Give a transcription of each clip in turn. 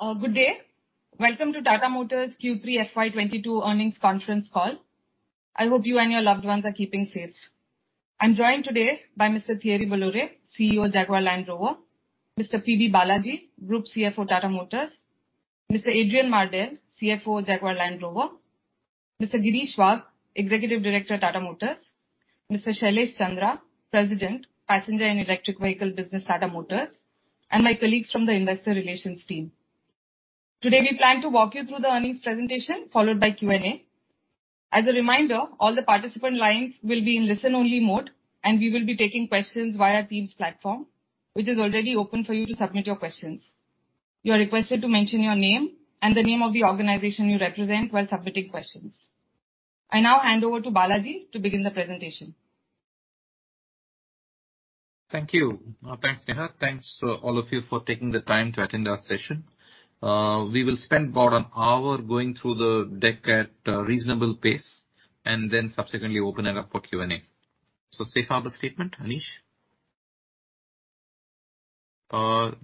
Good day. Welcome to Tata Motors Q3 FY 2022 earnings conference call. I hope you and your loved ones are keeping safe. I'm joined today by Mr. Thierry Bolloré, CEO of Jaguar Land Rover, Mr. P.B. Balaji, Group CFO, Tata Motors, Mr. Adrian Mardell, CFO, Jaguar Land Rover, Mr. Girish Wagh, Executive Director, Tata Motors, Mr. Shailesh Chandra, President, Passenger and Electric Vehicle Business, Tata Motors, and my colleagues from the investor relations team. Today, we plan to walk you through the earnings presentation, followed by Q&A. As a reminder, all the participant lines will be in listen-only mode, and we will be taking questions via Teams platform, which is already open for you to submit your questions. You are requested to mention your name and the name of the organization you represent while submitting questions. I now hand over to Balaji to begin the presentation. Thank you. Thanks, Neha. Thanks to all of you for taking the time to attend our session. We will spend about an hour going through the deck at a reasonable pace, and then subsequently open it up for Q&A. Safe harbor statement, Anish.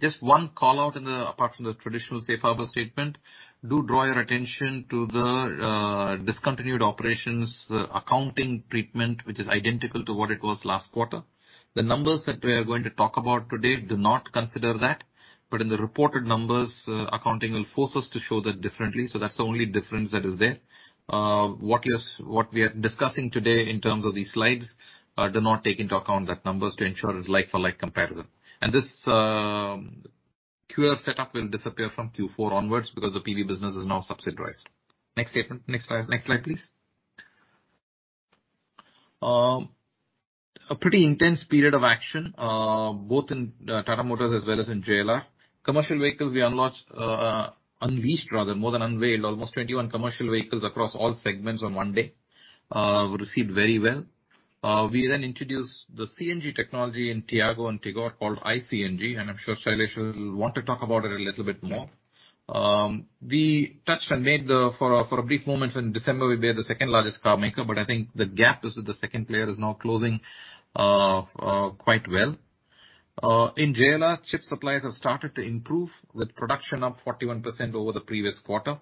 Just one call-out, apart from the traditional safe harbor statement, do draw your attention to the discontinued operations accounting treatment, which is identical to what it was last quarter. The numbers that we are going to talk about today do not consider that, but in the reported numbers, accounting will force us to show that differently, so that's the only difference that is there. What we are discussing today in terms of these slides do not take into account those numbers to ensure it's like-for-like comparison. This QR setup will disappear from Q4 onwards because the PV business is now subsidized. Next statement. Next slide, next slide, please. A pretty intense period of action both in Tata Motors as well as in JLR. Commercial vehicles we unleashed rather more than unveiled, almost 21 commercial vehicles across all segments on one day were received very well. We then introduced the CNG technology in Tiago and Tigor called iCNG, and I'm sure Shailesh will want to talk about it a little bit more. For a brief moment in December, we were the second-largest carmaker, but I think the gap with the second player is now closing quite well. In JLR, chip supplies have started to improve with production up 41% over the previous quarter,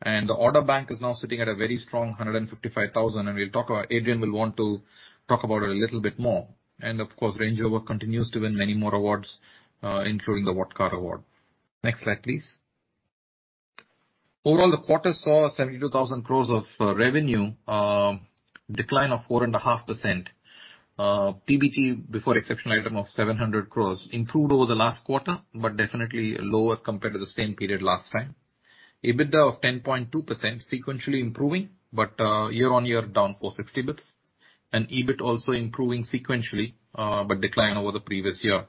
and the order bank is now sitting at a very strong 155,000, and we'll talk about it. Adrian will want to talk about it a little bit more. Of course, Range Rover continues to win many more awards, including the What Car? Award. Next slide, please. Overall, the quarter saw 72,000 crore of revenue, decline of 4.5%. PBT, before exceptional item, of 700 crore improved over the last quarter, but definitely lower compared to the same period last time. EBITDA of 10.2% sequentially improving, but year-on-year down 460 basis points. EBIT also improving sequentially, but decline over the previous year.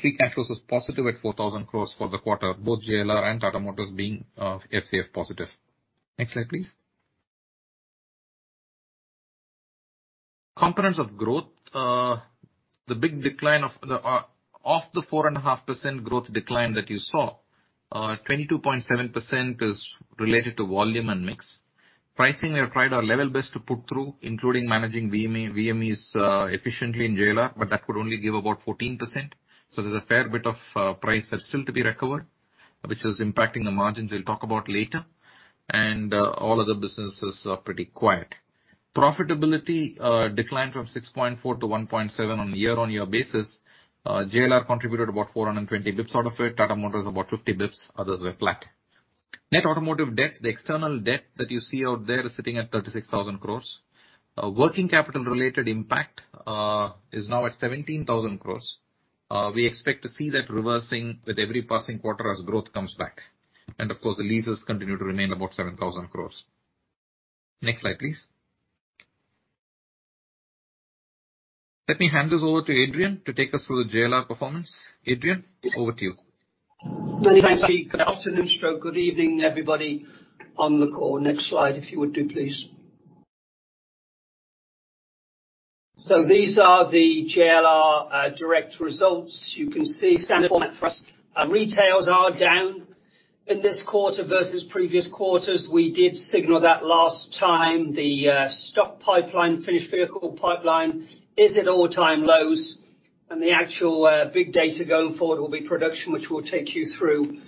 Free cash flow was positive at 4,000 crore for the quarter, both JLR and Tata Motors being FCF positive. Next slide, please. Components of growth. The big decline of the 4.5% growth decline that you saw, 22.7% is related to volume and mix. Pricing, we have tried our level best to put through, including managing VME, VMEs efficiently in JLR, but that could only give about 14%. So there's a fair bit of price that's still to be recovered, which is impacting the margins we'll talk about later. All other businesses are pretty quiet. Profitability declined from 6.4% -1.7% on a year-on-year basis. JLR contributed about 420 basis points out of it. Tata Motors about 50 basis points. Others were flat. Net automotive debt, the external debt that you see out there is sitting at 36,000 crore. Working capital related impact is now at 17,000 crore. We expect to see that reversing with every passing quarter as growth comes back. Of course, the leases continue to remain about 7,000 crore. Next slide, please. Let me hand this over to Adrian to take us through the JLR performance. Adrian, over to you. Thanks. Good afternoon. Good evening, everybody on the call. Next slide, please. These are the JLR direct results. You can see standard format for us. Our retails are down in this quarter versus previous quarters. We did signal that last time. The stock pipeline, finished vehicle pipeline is at all-time lows. The actual big data going forward will be production, which we'll take you through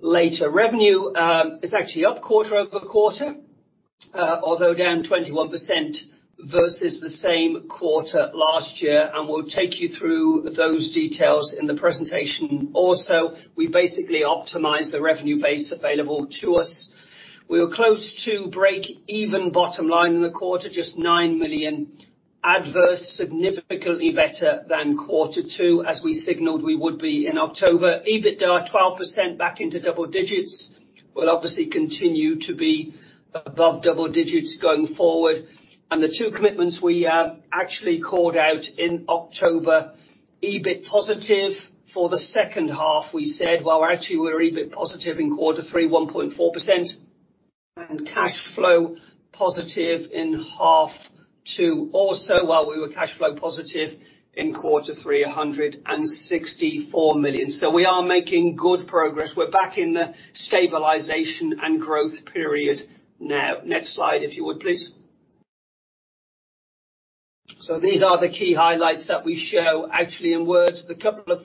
later. Revenue is actually up quarter-over-quarter, although down 21% versus the same quarter last year, and we'll take you through those details in the presentation. Also, we basically optimized the revenue base available to us. We were close to break-even bottom line in the quarter, just 9 million adverse, significantly better than quarter two, as we signaled we would be in October. EBITDA at 12% back into double-digits, will obviously continue to be above double-digits going forward. The two commitments we actually called out in October, EBIT positive for the second half, we said, well, actually, we're EBIT positive in quarter three, 1.4%, and cash flow positive in half two or so, while we were cash flow positive in quarter three, 164 million. We are making good progress. We're back in the stabilization and growth period now. Next slide, if you would, please. These are the key highlights that we show actually in words. There are a couple of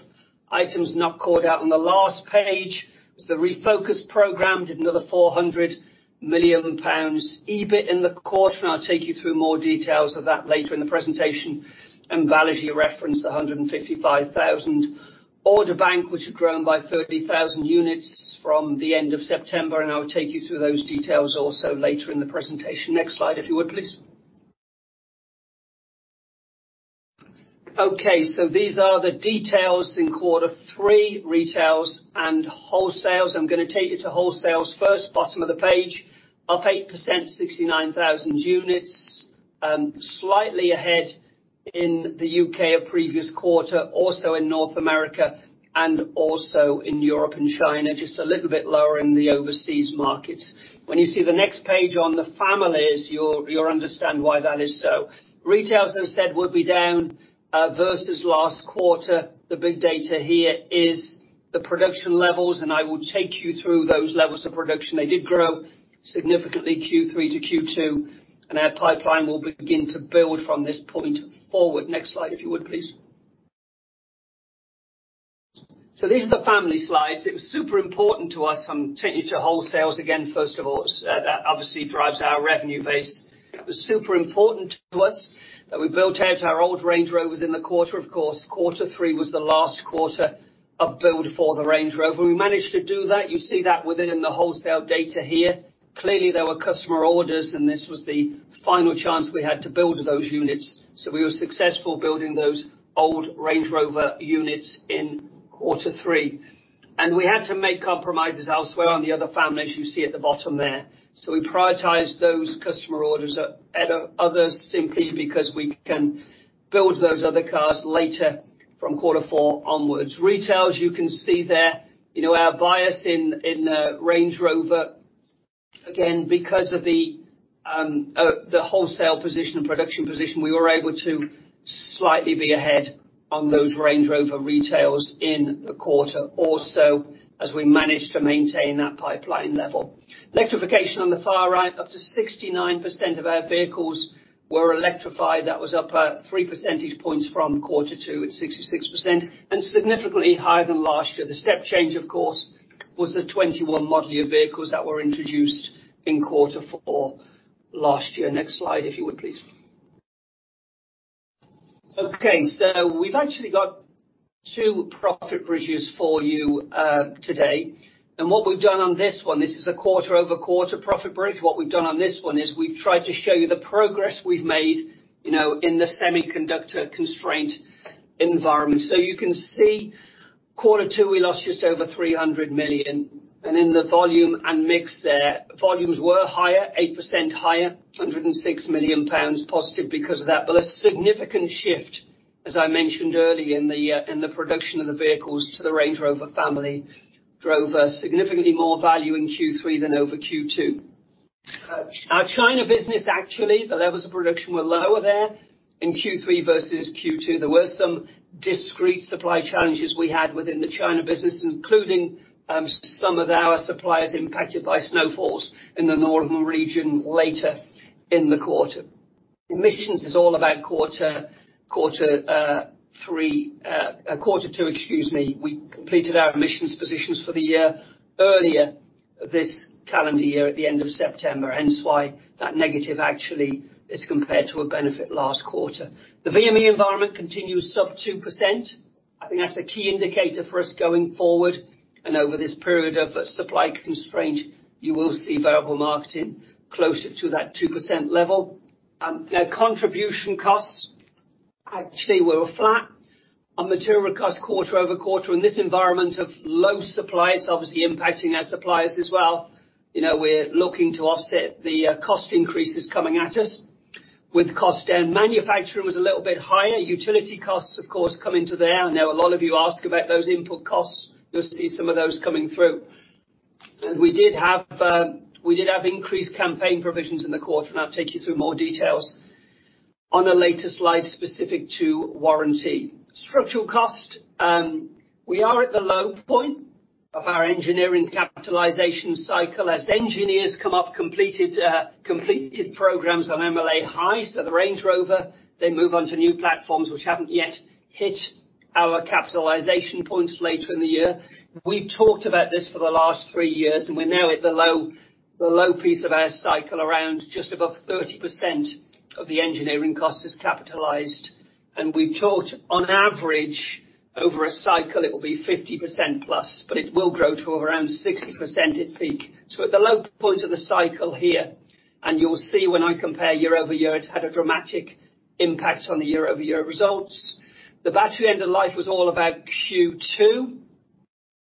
items not called out on the last page. The Refocus program did another 400 million pounds EBIT in the quarter, and I'll take you through more details of that later in the presentation. Balaji referenced 155,000 order bank, which had grown by 30,000 units from the end of September, and I will take you through those details also later in the presentation. Next slide, if you would, please. Okay, so these are the details in quarter three, retails and wholesales. I'm gonna take you to wholesales first, bottom of the page. Up 8%, 69,000 units, slightly ahead in the U.K. of previous quarter, also in North America and also in Europe and China, just a little bit lower in the overseas markets. When you see the next page on the families, you'll understand why that is so. Retails, as I said, would be down versus last quarter. The big data here is the production levels, and I will take you through those levels of production. They did grow significantly Q3-Q2, and our pipeline will begin to build from this point forward. Next slide, if you would, please. So these are the family slides. It was super important to us. I'm taking you to wholesales again, first of all. That obviously drives our revenue base. It was super important to us that we built out our old Range Rovers in the quarter. Of course, quarter three was the last quarter of build for the Range Rover. We managed to do that. You see that within the wholesale data here. Clearly, there were customer orders, and this was the final chance we had to build those units. So we were successful building those old Range Rover units in quarter three. We had to make compromises elsewhere on the other families you see at the bottom there. We prioritized those customer orders ahead of others simply because we can build those other cars later from quarter four onwards. Retail, you can see there, our bias in Range Rover, again, because of the wholesale position and production position, we were able to slightly be ahead on those Range Rover retails in the quarter or so as we managed to maintain that pipeline level. Electrification on the far right, up to 69% of our vehicles were electrified. That was up 3 percentage points from quarter two at 66% and significantly higher than last year. The step change, of course, was the 21 model year vehicles that were introduced in quarter four last year. Next slide, if you would, please. Okay, we've actually got two profit bridges for you today. What we've done on this one, this is a quarter-over-quarter profit bridge. What we've done on this one is we've tried to show you the progress we've made, you know, in the semiconductor constraint environment. You can see quarter two, we lost just over 300 million. In the volume and mix there, volumes were higher, 8% higher, 106 million pounds positive because of that. A significant shift, as I mentioned earlier, in the, in the production of the vehicles to the Range Rover family drove a significantly more value in Q3 than over Q2. Our China business, actually, the levels of production were lower there in Q3 versus Q2. There were some discrete supply challenges we had within the China business, including, some of our suppliers impacted by snowfalls in the northern region later in the quarter. Emissions is all about quarter two, excuse me. We completed our emissions positions for the year earlier this calendar year at the end of September, hence why that negative actually is compared to a benefit last quarter. The VME environment continues sub 2%. I think that's a key indicator for us going forward. Over this period of supply constraint, you will see variable marketing closer to that 2% level. The contribution costs actually were flat on material costs quarter-over-quarter in this environment of low supply, it's obviously impacting our suppliers as well. You know, we're looking to offset the cost increases coming at us. With cost down, manufacturing was a little bit higher. Utility costs, of course, come into there. I know a lot of you ask about those input costs. You'll see some of those coming through. We did have increased campaign provisions in the quarter, and I'll take you through more details on a later slide specific to warranty. Structural cost, we are at the low point of our engineering capitalization cycle. As engineers come off completed programs on MLA High, so the Range Rover, they move on to new platforms which haven't yet hit our capitalization points later in the year. We've talked about this for the last three years, and we're now at the low piece of our cycle, around just above 30% of the engineering cost is capitalized. On average, over a cycle it will be 50%+, but it will grow to around 60% at peak. At the low point of the cycle here, and you'll see when I compare year-over-year, it's had a dramatic impact on the year-over-year results. The battery end-of-life was all about Q2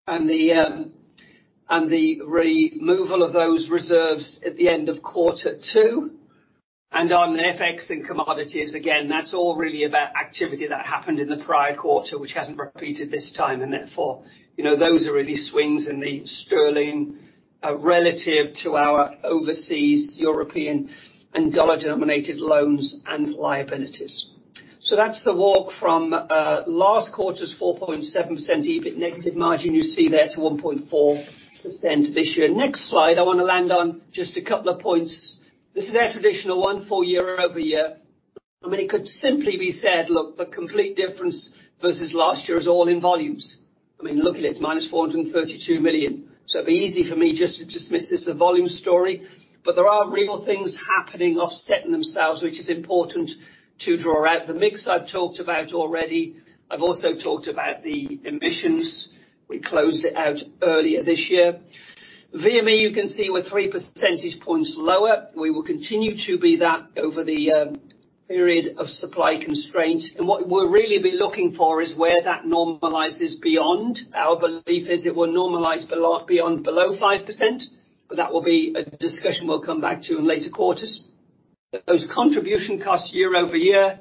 and the removal of those reserves at the end of quarter two. On the FX and commodities, again, that's all really about activity that happened in the prior quarter, which hasn't repeated this time. Therefore, you know, those are really swings in the sterling relative to our overseas European and dollar-denominated loans and liabilities. That's the walk from last quarter's 4.7% EBIT negative margin you see there to 1.4% this year. Next slide, I wanna land on just a couple of points. This is our traditional one full-year-over-year. I mean, it could simply be said, look, the complete difference versus last year is all in volumes. I mean, look at it's -432 million. It'd be easy for me just to dismiss this as a volume story. There are real things happening offsetting themselves, which is important to draw out. The mix I've talked about already. I've also talked about the emissions. We closed it out earlier this year. VME, you can see, we're 3 percentage points lower. We will continue to be that over the period of supply constraint. What we'll really be looking for is where that normalizes beyond. Our belief is it will normalize below 5%, but that will be a discussion we'll come back to in later quarters. Those contribution costs year-over-year,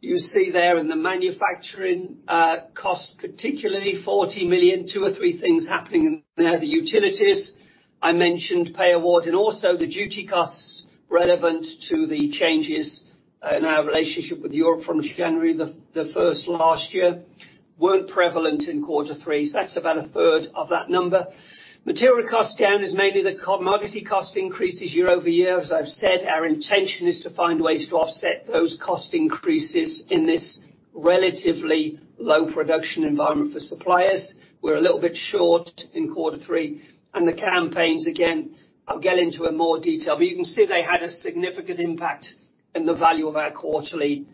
you see there in the manufacturing cost, particularly 40 million, two or three things happening in there. The utilities I mentioned pay award and also the duty costs relevant to the changes in our relationship with Europe from January the first last year, weren't prevalent in quarter three. That's about a third of that number. Material costs down is mainly the commodity cost increases year-over-year. As I've said, our intention is to find ways to offset those cost increases in this relatively low production environment for suppliers. We're a little bit short in quarter three, and the campaigns, again, I'll get into in more detail, but you can see they had a significant impact in the value of our quarterly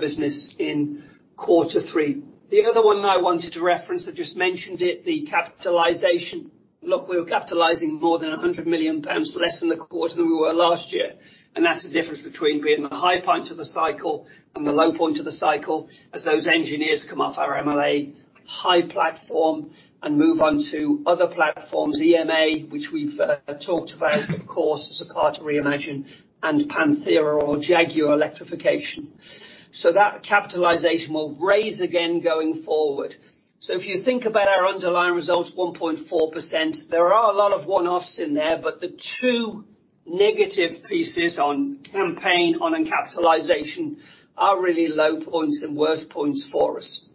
business in quarter three. The other one I wanted to reference, I just mentioned it, the capitalization. Look, we were capitalizing more than 100 million pounds less in the quarter than we were last year, and that's the difference between being the high point of the cycle and the low point of the cycle as those engineers come off our MLA high platform and move on to other platforms, EMA, which we've talked about, of course, as part of Reimagine and Panthera or Jaguar electrification. That capitalization will rise again going forward. If you think about our underlying results, 1.4%, there are a lot of one-offs in there, but the two negative pieces on CapEx, on capitalization are really low points and worst points for us.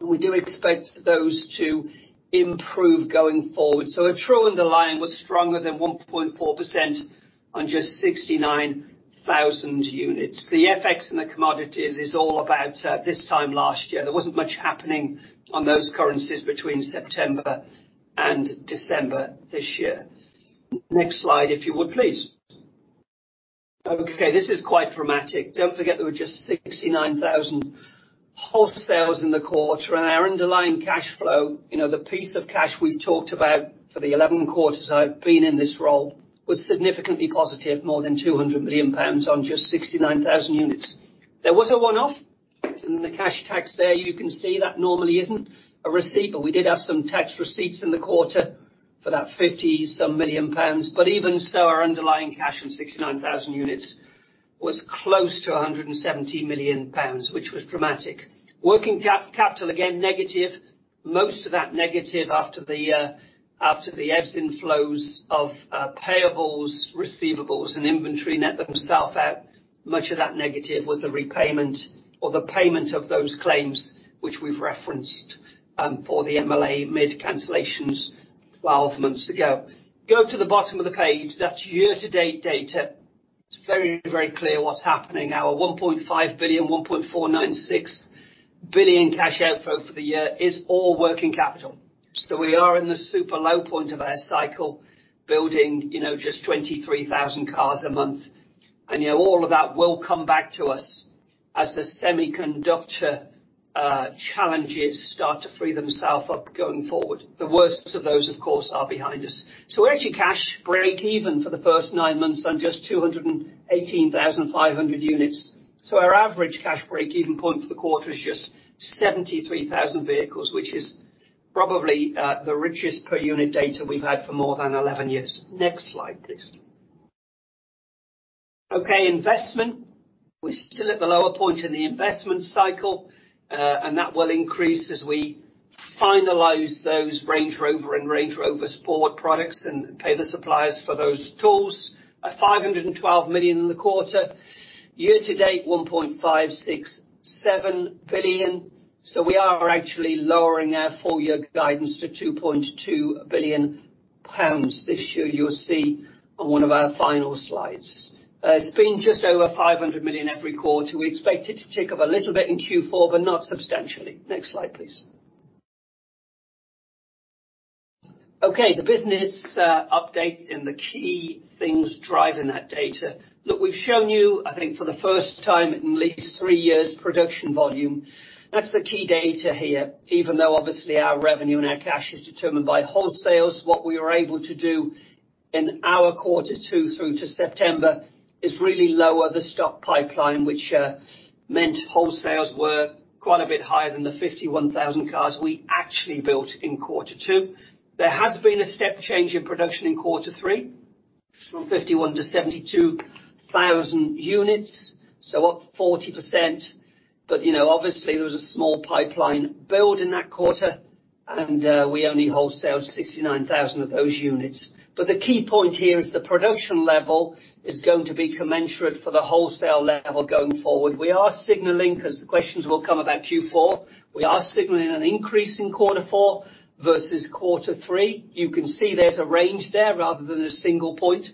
We do expect those to improve going forward. A true underlying was stronger than 1.4% on just 69,000 units. The FX and the commodities is all about this time last year. There wasn't much happening on those currencies between September and December this year. Next slide, if you would, please. Okay, this is quite dramatic. Don't forget there were just 69,000 wholesales in the quarter and our underlying cash flow, you know, the piece of cash we talked about for the 11 quarters I've been in this role, was significantly positive, more than 200 million pounds on just 69,000 units. There was a one-off in the cash tax there. You can see that normally isn't a receipt, but we did have some tax receipts in the quarter for that 50-some million pounds. Even so, our underlying cash from 69,000 units was close to 170 million pounds, which was dramatic. Working capital, again, negative. Most of that negative after the ebbs and flows of payables, receivables, and inventory net themselves out. Much of that negative was a repayment or the payment of those claims, which we've referenced, for the MLA Mid-cancellations twelve months ago. Go to the bottom of the page, that's year-to-date data. It's very, very clear what's happening. Our 1.5 billion, 1.496 billion cash outflow for the year is all working capital. We are in the super low point of our cycle, building, you know, just 23,000 cars a month. You know, all of that will come back to us as the semiconductor challenges start to free themselves up going forward. The worst of those, of course, are behind us. We're actually cash break even for the first nine months on just 218,500 units. Our average cash break even point for the quarter is just 73,000 vehicles, which is probably the richest per unit data we've had for more than 11 years. Next slide, please. Okay, investment. We're still at the lower point in the investment cycle, and that will increase as we finalize those Range Rover and Range Rover Sport products and pay the suppliers for those tools. At 512 million in the quarter. Year to date, 1.567 billion. We are actually lowering our full-year guidance to 2.2 billion pounds this year. You'll see on one of our final slides. It's been just over 500 million every quarter. We expect it to tick up a little bit in Q4, but not substantially. Next slide, please. Okay, the business update and the key things driving that data. Look, we've shown you, I think for the first time in at least three years, production volume. That's the key data here. Even though obviously our revenue and our cash is determined by wholesales, what we were able to do in our quarter two through to September is really lower the stock pipeline, which meant wholesales were quite a bit higher than the 51,000 cars we actually built in quarter two. There has been a step change in production in quarter three from 51,000 - 72,000 units, so up 40%. You know, obviously, there was a small pipeline build in that quarter, and we only wholesaled 69,000 of those units. The key point here is the production level is going to be commensurate for the wholesale level going forward. We are signaling, 'cause the questions will come about Q4, we are signaling an increase in quarter four versus quarter three. You can see there's a range there rather than a single point.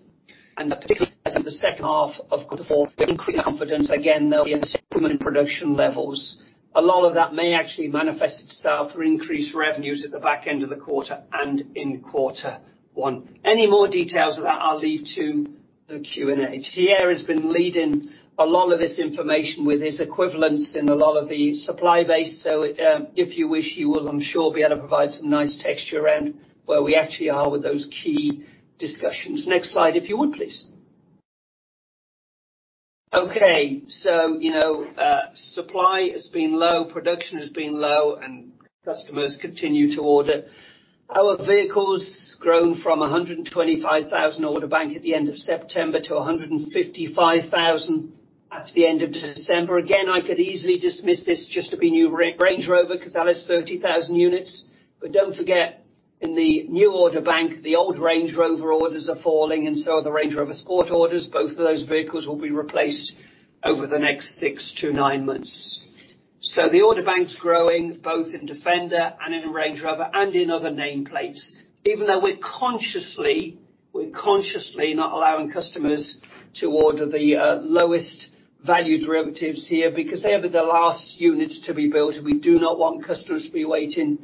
Particularly as of the second half of quarter four, we have increased confidence, again, there'll be an improvement in production levels. A lot of that may actually manifest itself or increase revenues at the back end of the quarter and in quarter one. Any more details of that I'll leave to the Q&A. Thierry has been leading a lot of this information with his experience in a lot of the supply base. If you wish, he will, I'm sure, be able to provide some nice texture around where we actually are with those key discussions. Next slide, if you would, please. Okay. Supply has been low, production has been low, and customers continue to order. Our order bank has grown from a 125,000 order bank at the end of September to 155,000 at the end of December. Again, I could easily dismiss this just to be new Range Rover 'cause that is 30,000 units. Don't forget, in the new order bank, the old Range Rover orders are falling and so are the Range Rover Sport orders. Both of those vehicles will be replaced over the next six - nine months. The order bank's growing both in Defender and in Range Rover and in other nameplates. Even though we're consciously not allowing customers to order the lowest value derivatives here because they are the last units to be built. We do not want customers to be waiting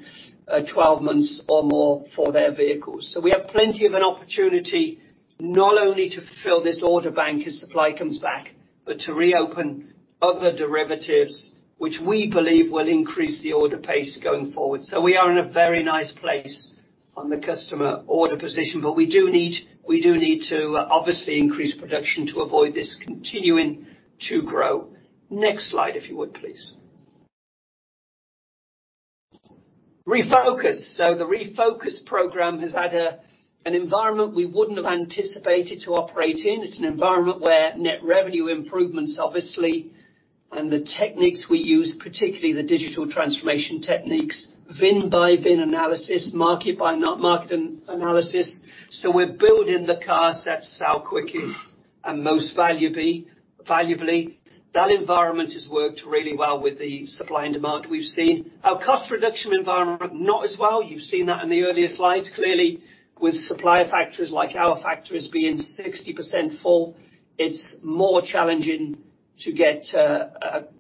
12 months or more for their vehicles. We have plenty of an opportunity not only to fill this order bank as supply comes back, but to reopen other derivatives, which we believe will increase the order pace going forward. We are in a very nice place on the customer order position, but we do need to obviously increase production to avoid this continuing to grow. Next slide, if you would, please. Refocus. The Refocus program has had an environment we wouldn't have anticipated to operate in. It's an environment where net revenue improvements, obviously, and the techniques we use, particularly the digital transformation techniques, VIN by VIN analysis, market by market analysis. We're building the cars that sell quickest and most valuably. That environment has worked really well with the supply and demand we've seen. Our cost reduction environment, not as well. You've seen that in the earlier slides. Clearly, with supplier factories like our factories being 60% full, it's more challenging to get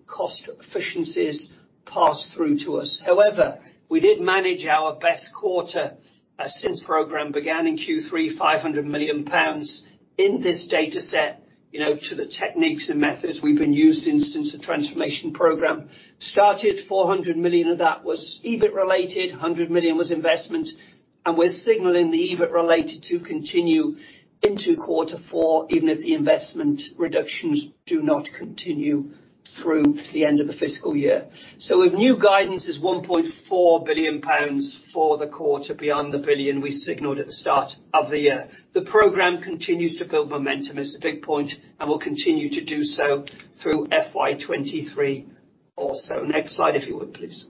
cost efficiencies passed through to us. However, we did manage our best quarter since program began in Q3, 500 million pounds in this data set, you know, to the techniques and methods we've been using since the transformation program. Started 400 million of that was EBIT related, 100 million was investment, and we're signaling the EBIT related to continue into quarter four, even if the investment reductions do not continue through the end of the fiscal year. If new guidance is 1.4 billion pounds for the quarter beyond the 1 billion we signaled at the start of the year. The program continues to build momentum, is the big point, and will continue to do so through FY 2023 also. Next slide, if you would, please.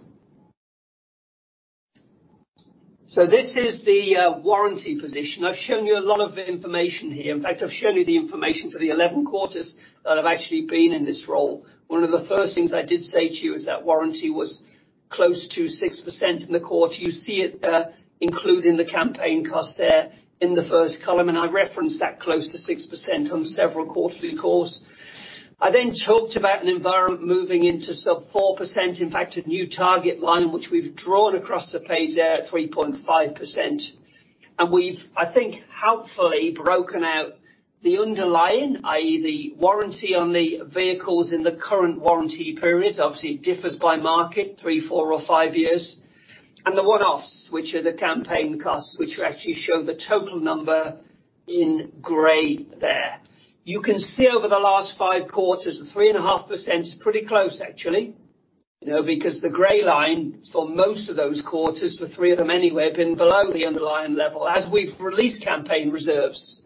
This is the warranty position. I've shown you a lot of information here. In fact, I've shown you the information for the 11 quarters that I've actually been in this role. One of the first things I did say to you is that warranty was close to 6% in the quarter. You see it, including the campaign costs there in the first column, and I referenced that close to 6% on several quarterly calls. I then talked about an environment moving into sub-4%, in fact, a new target line which we've drawn across the page there at 3.5%. We've, I think, helpfully broken out the underlying, i.e., the warranty on the vehicles in the current warranty period. Obviously, it differs by market, three, four, or five years. The one-offs, which are the campaign costs, which we actually show the total number in gray there. You can see over the last five quarters, the 3.5% is pretty close, actually. You know, because the gray line for most of those quarters, for three of them anyway, have been below the underlying level. As we've released campaign reserves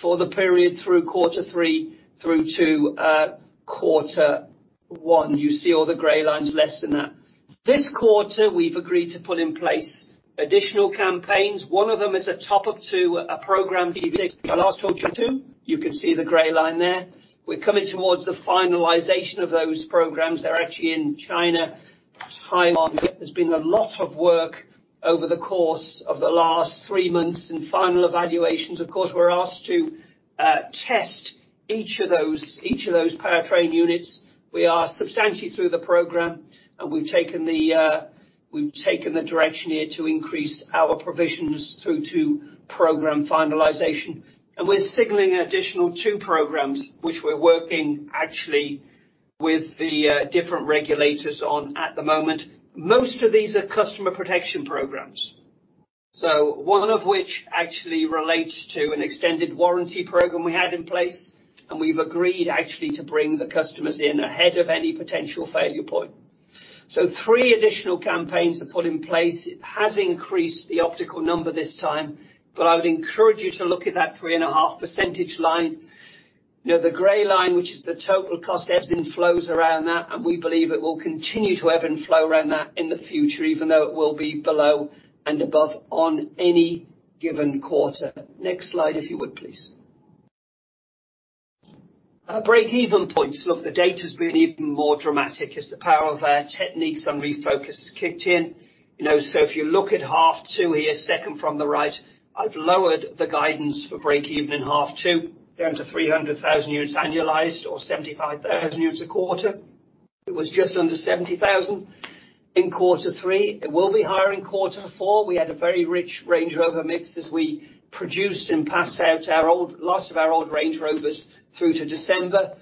for the period through quarter three through to quarter one, you see all the gray lines less than that. This quarter, we've agreed to put in place additional campaigns. One of them is a top-up to a program I last talked to you. You can see the gray line there. We're coming towards the finalization of those programs. They're actually in China. There's been a lot of work over the course of the last three months in final evaluations. Of course, we're asked to test each of those powertrain units. We are substantially through the program, and we've taken the direction here to increase our provisions through to program finalization. We're signaling an additional two programs, which we're working actually with the different regulators on at the moment. Most of these are customer protection programs. One of which actually relates to an extended warranty program we had in place, and we've agreed actually to bring the customers in ahead of any potential failure point. Three additional campaigns are put in place. It has increased the provision number this time, but I would encourage you to look at that 3.5% line. You know, the gray line, which is the total cost, ebbs and flows around that, and we believe it will continue to ebb and flow around that in the future, even though it will be below and above on any given quarter. Next slide, if you would please. Break-even points. Look, the data's been even more dramatic as the power of our techniques and Refocus kicked in. You know, if you look at half two here, second from the right, I've lowered the guidance for break even in half two, down to 300,000 units annualized or 75,000 units a quarter. It was just under 70,000 in quarter three. It will be higher in quarter four. We had a very rich Range Rover mix as we produced and passed out last of our old Range Rovers through to December.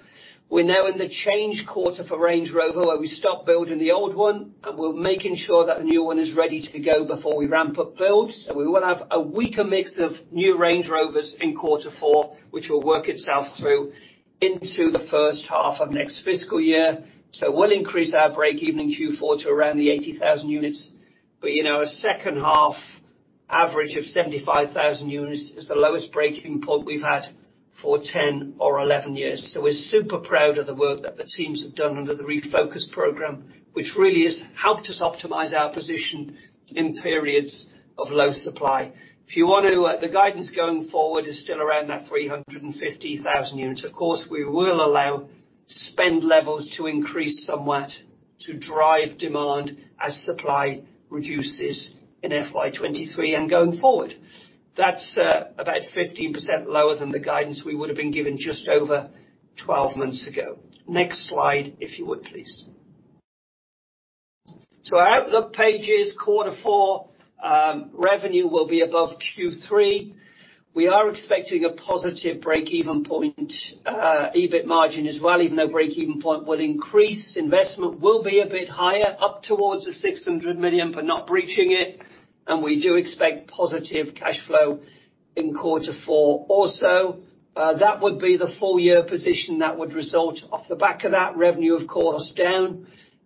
We're now in the change quarter for Range Rover, where we stop building the old one, and we're making sure that the new one is ready to go before we ramp up build. We will have a weaker mix of new Range Rovers in quarter four, which will work itself through into the first half of next fiscal year. We'll increase our breakeven in Q4 to around the 80,000 units. You know, a second half average of 75,000 units is the lowest breakeven point we've had for 10 or 11 years. We're super proud of the work that the teams have done under the Refocus program, which really has helped us optimize our position in periods of low supply. If you want to, the guidance going forward is still around that 350,000 units. Of course, we will allow spend levels to increase somewhat to drive demand as supply reduces in FY 2023 and going forward. That's about 15% lower than the guidance we would have been given just over 12 months ago. Next slide, if you would please. Our outlook pages, quarter four, revenue will be above Q3. We are expecting a positive break-even point, EBIT margin as well, even though break-even point will increase. Investment will be a bit higher, up towards 600 million, but not breaching it. We do expect positive cash flow in quarter four also. That would be the full-year position that would result off the back of that. Revenue, of course, down,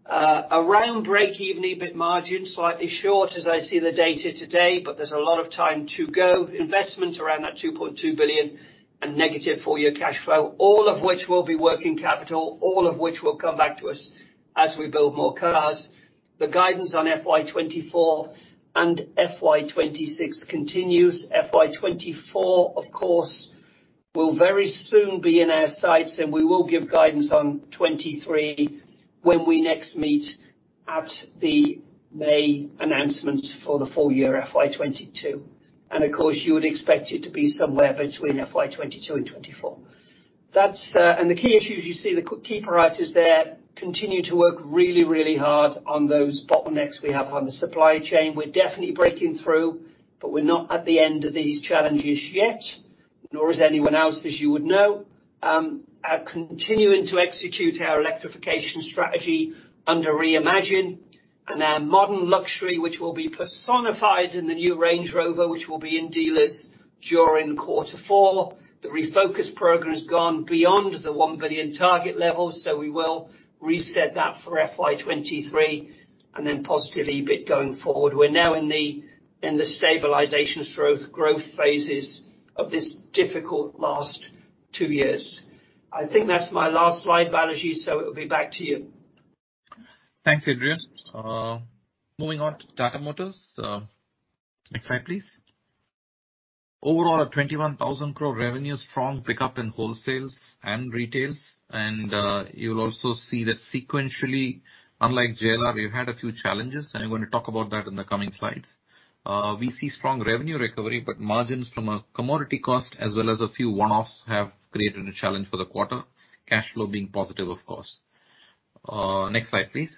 around break-even EBIT margin, slightly short as I see the data today, but there's a lot of time to go. Investment around 2.2 billion and negative full-year cash flow, all of which will be working capital, all of which will come back to us as we build more cars. The guidance on FY 2024 and FY 2026 continues. FY 2024, of course, will very soon be in our sights, and we will give guidance on FY 2023 when we next meet at the May announcement for the full-year FY 2022. Of course, you would expect it to be somewhere between FY 2022 and 2024. That's, and the key issues you see, the key priorities there, continue to work really, really hard on those bottlenecks we have on the supply chain. We're definitely breaking through, but we're not at the end of these challenges yet, nor is anyone else, as you would know. We are continuing to execute our electrification strategy under Reimagine and our modern luxury, which will be personified in the new Range Rover, which will be in dealers during quarter four. The Refocus program has gone beyond the 1 billion target level, so we will reset that for FY 2023 and then positive EBIT going forward. We're now in the stabilization growth phases of this difficult last two years. I think that's my last slide, Balaji, so it will be back to you. Thanks, Adrian. Moving on to Tata Motors. Next slide, please. Overall, at 21,000 crore revenue, strong pickup in wholesales and retails. You'll also see that sequentially, unlike JLR, we've had a few challenges, and I'm gonna talk about that in the coming slides. We see strong revenue recovery, but margins from a commodity cost as well as a few one-offs have created a challenge for the quarter. Cash flow being positive, of course. Next slide, please.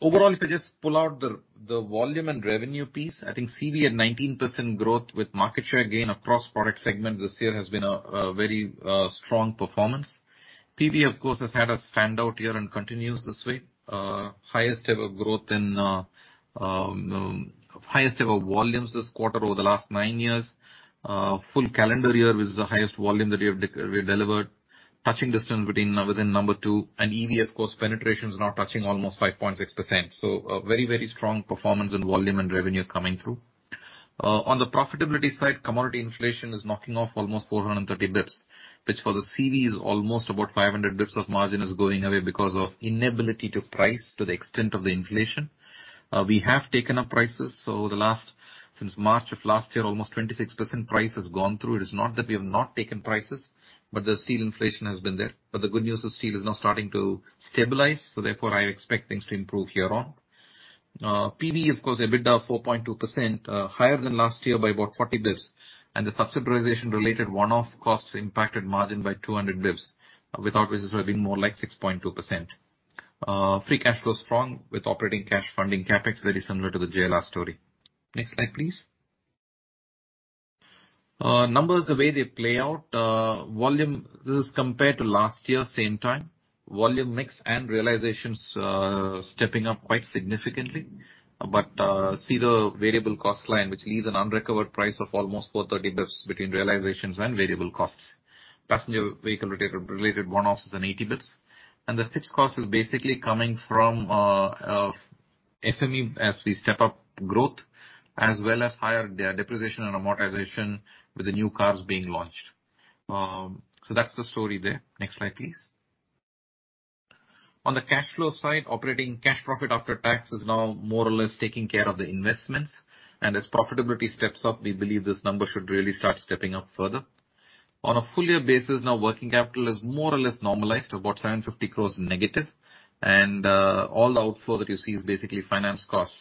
Overall, if I just pull out the volume and revenue piece, I think CV at 19% growth with market share gain across product segment this year has been a very strong performance. PV, of course, has had a standout year and continues this way. Highest ever volumes this quarter over the last nine years. The full calendar year was the highest volume that we have delivered. Touching distance between, within number two. EV, of course, penetration is now touching almost 5.6%. A very, very strong performance in volume and revenue coming through. On the profitability side, commodity inflation is knocking off almost 430 basis points, which for the CV is almost about 500 basis points of margin is going away because of inability to price to the extent of the inflation. We have taken up prices. Since March of last year, almost 26% price has gone through. It is not that we have not taken prices, but the steel inflation has been there. The good news is steel is now starting to stabilize, so therefore, I expect things to improve here on. PV, of course, EBITDA of 4.2%, higher than last year by about 40 basis points. The subsidization-related one-off costs impacted margin by 200 basis points, without which this would have been more like 6.2%. Free cash flow is strong with operating cash funding CapEx very similar to the JLR story. Next slide, please. Numbers, the way they play out, volume. This is compared to last year, same time. Volume mix and realizations stepping up quite significantly. See the variable cost line, which leaves an unrecovered price of almost 430 basis points between realizations and variable costs. Passenger vehicle related one-offs is 80 basis points. The fixed cost is basically coming from FME as we step up growth, as well as higher depreciation and amortization with the new cars being launched. That's the story there. Next slide, please. On the cash flow side, operating cash profit after tax is now more or less taking care of the investments. As profitability steps up, we believe this number should really start stepping up further. On a full-year basis, now working capital is more or less normalized, about 750 crores negative. All the outflow that you see is basically finance costs.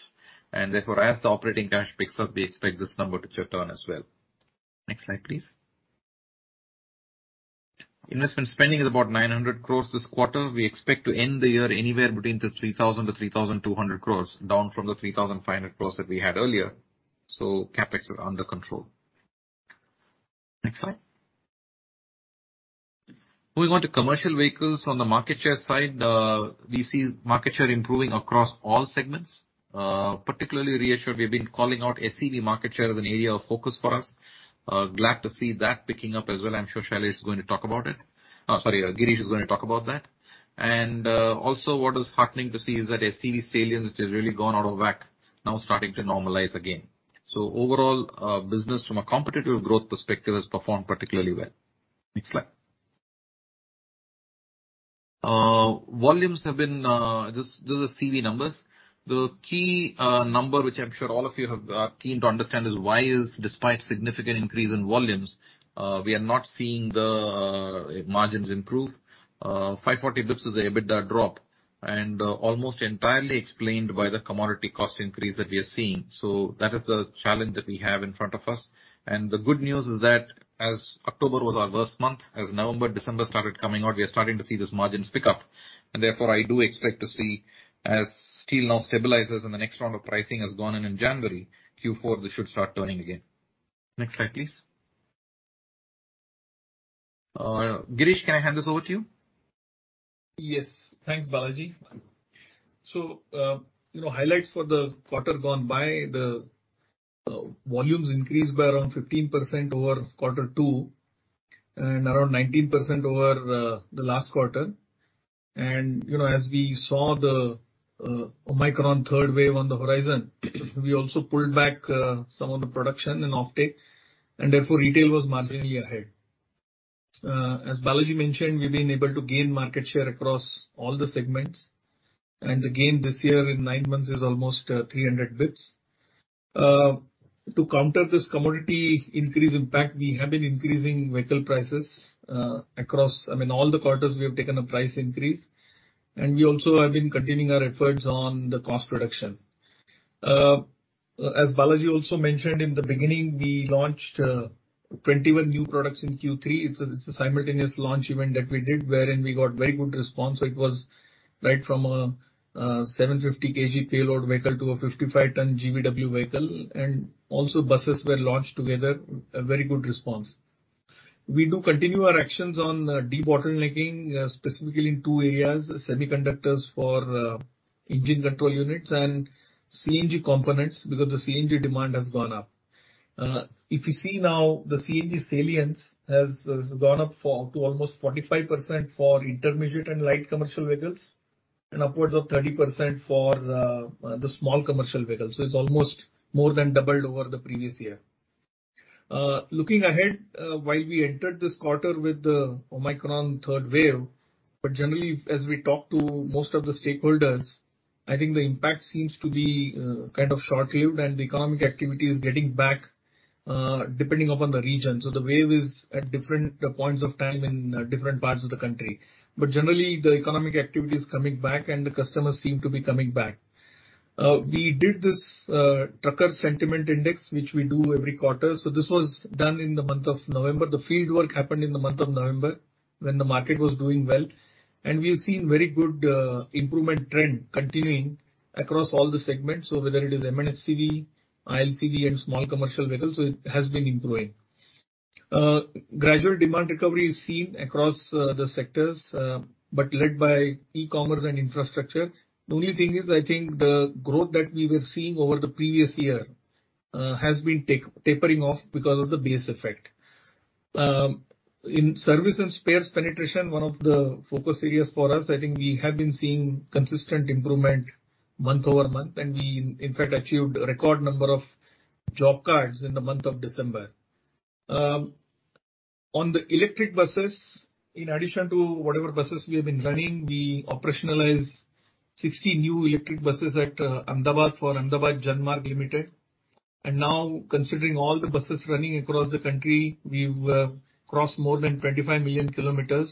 Therefore, as the operating cash picks up, we expect this number to turn as well. Next slide, please. Investment spending is about 900 crores this quarter. We expect to end the year anywhere between 3,000-3,200 crores, down from the 3,500 crores that we had earlier. CapEx is under control. Next slide. Moving on to commercial vehicles. On the market share side, we see market share improving across all segments. Particularly reassured, we've been calling out SCV market share as an area of focus for us. Glad to see that picking up as well. I'm sure Shailesh is going to talk about it. Sorry, Girish is gonna talk about that. Also what is heartening to see is that SCV salience, which has really gone out of whack, now starting to normalize again. Overall, business from a competitive growth perspective has performed particularly well. Next slide. Volumes have been... This is CV numbers. The key number, which I'm sure all of you have, are keen to understand, is why is despite significant increase in volumes, we are not seeing the margins improve. 540 basis points is the EBITDA drop and almost entirely explained by the commodity cost increase that we are seeing. That is the challenge that we have in front of us. The good news is that as October was our worst month, as November, December started coming out, we are starting to see these margins pick up. Therefore, I do expect to see as steel now stabilizes and the next round of pricing has gone in in January, Q4, this should start turning again. Next slide, please. Girish, can I hand this over to you? Yes. Thanks, Balaji. Highlights for the quarter gone by, the volumes increased by around 15% over quarter two and around 19% over the last quarter. You know, as we saw the Omicron third wave on the horizon, we also pulled back some of the production and offtake, and therefore, retail was marginally ahead. As Balaji mentioned, we've been able to gain market share across all the segments. The gain this year in nine months is almost 300 basis points. To counter this commodity increase impact, we have been increasing vehicle prices across, I mean, all the quarters we have taken a price increase. We also have been continuing our efforts on the cost reduction. As Balaji also mentioned in the beginning, we launched 21 new products in Q3. It's a simultaneous launch event that we did, wherein we got very good response. It was right from a 750 kg payload vehicle to a 55-ton GVW vehicle. Also buses were launched together, a very good response. We do continue our actions on debottlenecking, specifically in two areas, semiconductors for engine control units and CNG components, because the CNG demand has gone up. If you see now, the CNG salience has gone up to almost 45% for intermediate and light commercial vehicles and upwards of 30% for the small commercial vehicles. It's almost more than doubled over the previous year. Looking ahead, while we entered this quarter with the Omicron third wave, but generally, as we talk to most of the stakeholders, I think the impact seems to be kind of short-lived and the economic activity is getting back, depending upon the region. The wave is at different points of time in different parts of the country. Generally, the economic activity is coming back and the customers seem to be coming back. We did this trucker sentiment index, which we do every quarter. This was done in the month of November. The fieldwork happened in the month of November when the market was doing well. We have seen very good improvement trend continuing across all the segments. Whether it is M&HCV, ILCV and small commercial vehicles, it has been improving. Gradual demand recovery is seen across the sectors, but led by e-commerce and infrastructure. The only thing is, I think the growth that we were seeing over the previous year has been tapering off because of the base effect. In service and spares penetration, one of the focus areas for us, I think we have been seeing consistent improvement month-over-month, and we in fact achieved a record number of job cards in the month of December. On the electric buses, in addition to whatever buses we have been running, we operationalized 60 new electric buses at Ahmedabad for Ahmedabad Janmarg Limited. Now considering all the buses running across the country, we've crossed more than 25 million km,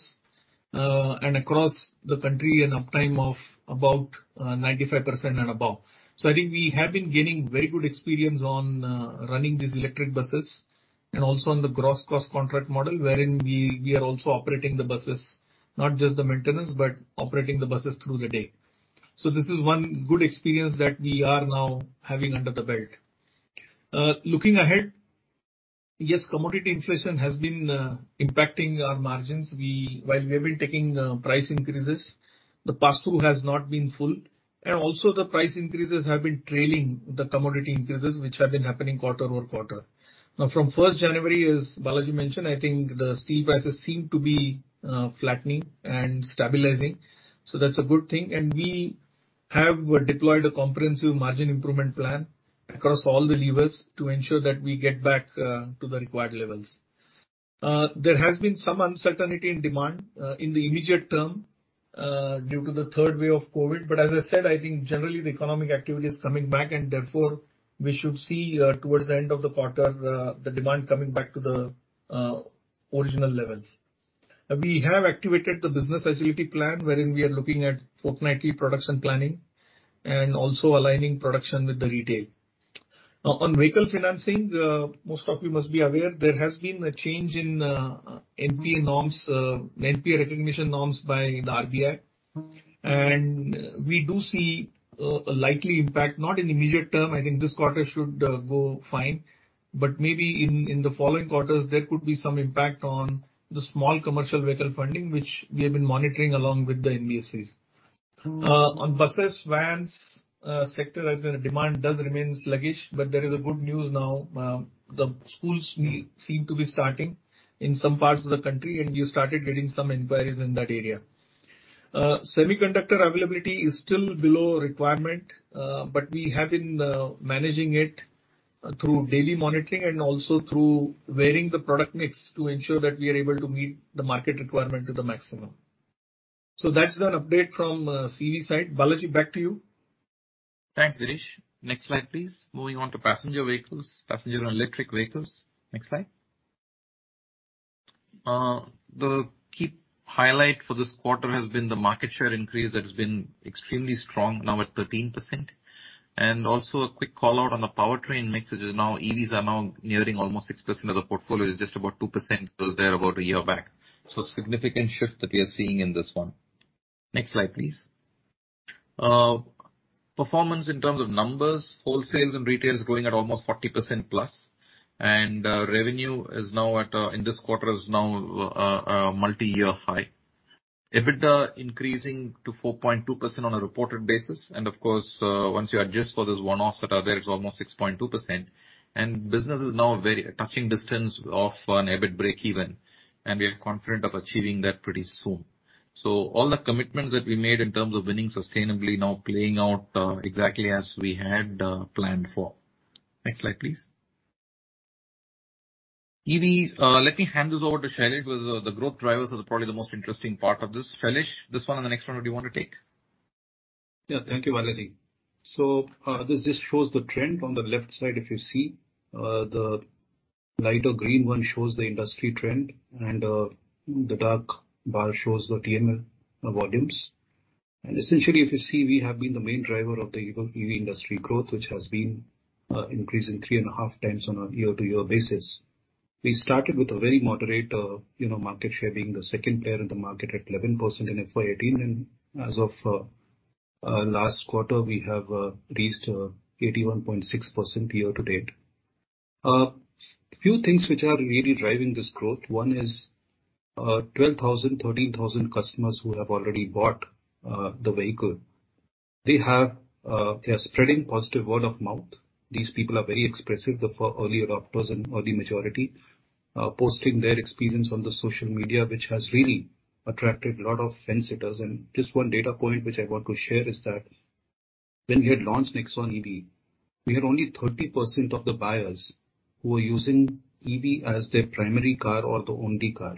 and across the country an uptime of about 95% and above. I think we have been gaining very good experience on running these electric buses and also on the Gross Cost Contract model wherein we are also operating the buses, not just the maintenance, but operating the buses through the day. This is one good experience that we are now having under the belt. Looking ahead, yes, commodity inflation has been impacting our margins. We, while we have been taking price increases, the pass-through has not been full. Also the price increases have been trailing the commodity increases, which have been happening quarter-over-quarter. Now from January 1st, as Balaji mentioned, I think the steel prices seem to be flattening and stabilizing. That's a good thing. We...have deployed a comprehensive margin improvement plan across all the levers to ensure that we get back to the required levels. There has been some uncertainty in demand in the immediate term due to the third wave of COVID, but as I said, I think generally the economic activity is coming back, and therefore we should see towards the end of the quarter the demand coming back to the original levels. We have activated the business agility plan, wherein we are looking at fortnightly production planning and also aligning production with the retail. On vehicle financing, most of you must be aware, there has been a change in NPA norms, NPA recognition norms by the RBI. We do see a likely impact, not in the immediate term, I think this quarter should go fine, but maybe in the following quarters there could be some impact on the small commercial vehicle funding, which we have been monitoring along with the NBFCs. On buses, vans, sector as demand does remain sluggish, but there is good news now. The schools seem to be starting in some parts of the country, and we have started getting some inquiries in that area. Semiconductor availability is still below requirement, but we have been managing it through daily monitoring and also through varying the product mix to ensure that we are able to meet the market requirement to the maximum. That's the update from CV side. Balaji, back to you. Thanks, Girish. Next slide, please. Moving on to passenger vehicles, passenger and electric vehicles. Next slide. The key highlight for this quarter has been the market share increase that has been extremely strong, now at 13%. Also a quick call-out on the powertrain mix, which is now EVs are now nearing almost 6% of the portfolio. It was just about 2% till there about a year back. Significant shift that we are seeing in this one. Next slide, please. Performance in terms of numbers, wholesales and retail is growing at almost 40%+. Revenue is now at, in this quarter is now a multi-year high. EBITDA increasing to 4.2% on a reported basis and of course, once you adjust for this one-off that are there, it's almost 6.2%. Business is now within touching distance of an EBIT breakeven, and we are confident of achieving that pretty soon. All the commitments that we made in terms of winning sustainably now playing out exactly as we had planned for. Next slide, please. EV, let me hand this over to Shailesh. The growth drivers are probably the most interesting part of this. Shailesh, this one and the next one, would you want to take? Yeah. Thank you, P.B. Balaji. This just shows the trend. On the left side, if you see, the lighter green one shows the industry trend and, the dark bar shows the TML volumes. Essentially, if you see, we have been the main driver of the EV industry growth, which has been increasing three and a half times on a year-to-year basis. We started with a very moderate, you know, market share, being the second player in the market at 11% in FY 2018, and as of last quarter, we have reached 81.6% year-to-date. Few things which are really driving this growth. One is 12,000-13,000 customers who have already bought the vehicle. They are spreading positive word of mouth. These people are very expressive, the early adopters and early majority, posting their experience on the social media, which has really attracted a lot of fence sitters. Just one data point which I want to share is that when we had launched Nexon EV, we had only 30% of the buyers who were using EV as their primary car or the only car.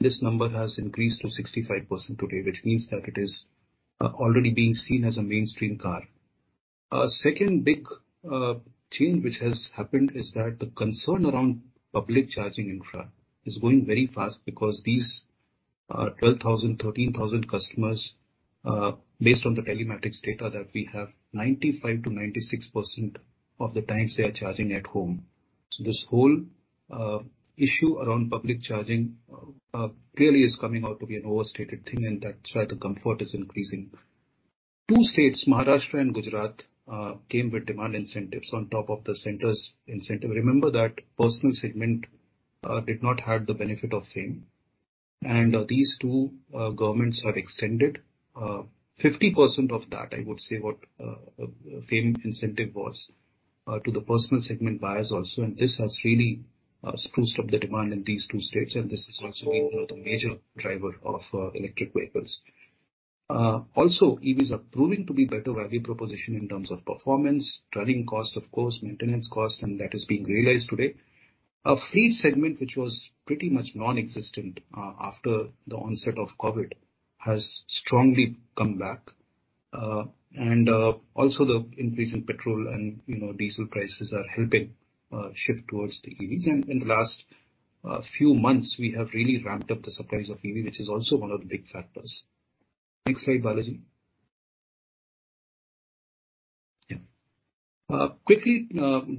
This number has increased to 65% today, which means that it is already being seen as a mainstream car. Second big change which has happened is that the concern around public charging infra is growing very fast because these 12,000, 13,000 customers, based on the telematics data that we have, 95%-96% of the times they are charging at home. This whole issue around public charging clearly is coming out to be an overstated thing, and that's why the comfort is increasing. Two states, Maharashtra and Gujarat, came with demand incentives on top of the center's incentive. Remember that personal segment did not have the benefit of FAME. These two governments have extended 50% of that, I would say what FAME incentive was, to the personal segment buyers also. This has really spruced up the demand in these two states, and this has also been the major driver of electric vehicles. Also EVs are proving to be better value proposition in terms of performance, running costs, of course, maintenance costs, and that is being realized today. A fleet segment, which was pretty much non-existent after the onset of COVID, has strongly come back. Also the increase in petrol and, you know, diesel prices are helping shift towards the EVs. In the last few months, we have really ramped up the supplies of EV, which is also one of the big factors. Next slide, Balaji. Yeah. Quickly,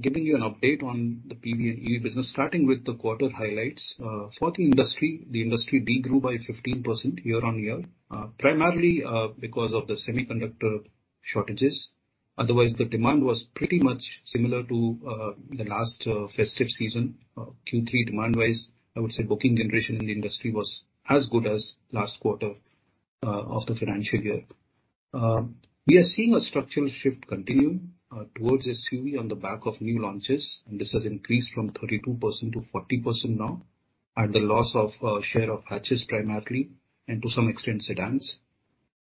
giving you an update on the PV EV business, starting with the quarter highlights. For the industry, the industry degrew by 15% year-over-year, primarily because of the semiconductor shortages. Otherwise, the demand was pretty much similar to the last festive season. Q3 demand wise, I would say booking generation in the industry was as good as last quarter of the financial year. We are seeing a structural shift continue towards SUV on the back of new launches, and this has increased from 32%-40% now. The loss of share of hatches primarily, and to some extent sedans.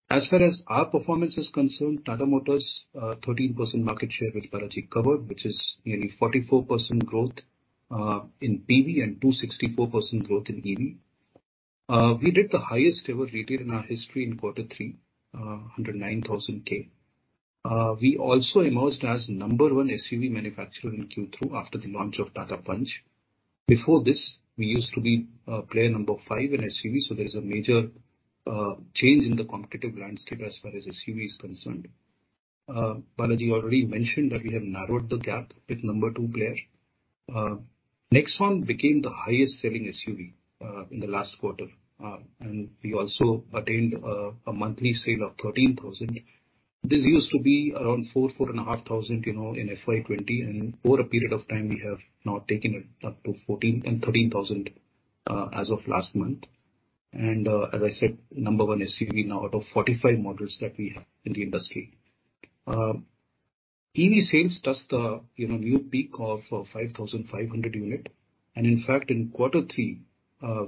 As far as our performance is concerned, Tata Motors, 13% market share which Balaji covered, which is nearly 44% growth in PV and 264% growth in EV. We did the highest ever retail in our history in quarter three, 109,000 K. We also emerged as number one SUV manufacturer in Q3 after the launch of Tata Punch. Before this, we used to be player number five in SUV, so there is a major change in the competitive landscape as far as SUV is concerned. Balaji already mentioned that we have narrowed the gap with number two player. Nexon became the highest selling SUV in the last quarter, and we also attained a monthly sale of 13,000. This used to be around four and a half thousand, you know, in FY 2020, and over a period of time we have now taken it up to 14,000 and 13,000 as of last month. As I said, number one SUV now out of 45 models that we have in the industry. EV sales touched a new peak of 5,500 units, and in fact in quarter three,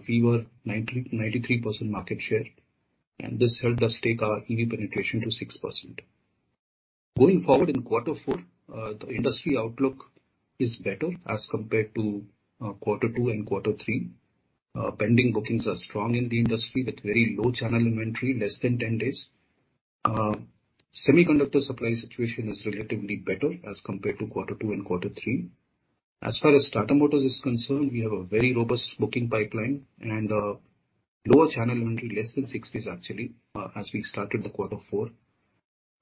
we were 93% market share, and this helped us take our EV penetration to 6%. Going forward in quarter four, the industry outlook is better as compared to quarter two and quarter three. Pending bookings are strong in the industry with very low channel inventory, less than 10 days. Semiconductor supply situation is relatively better as compared to quarter two and quarter three. As far as Tata Motors is concerned, we have a very robust booking pipeline and lower channel inventory, less than six days actually, as we started the quarter four.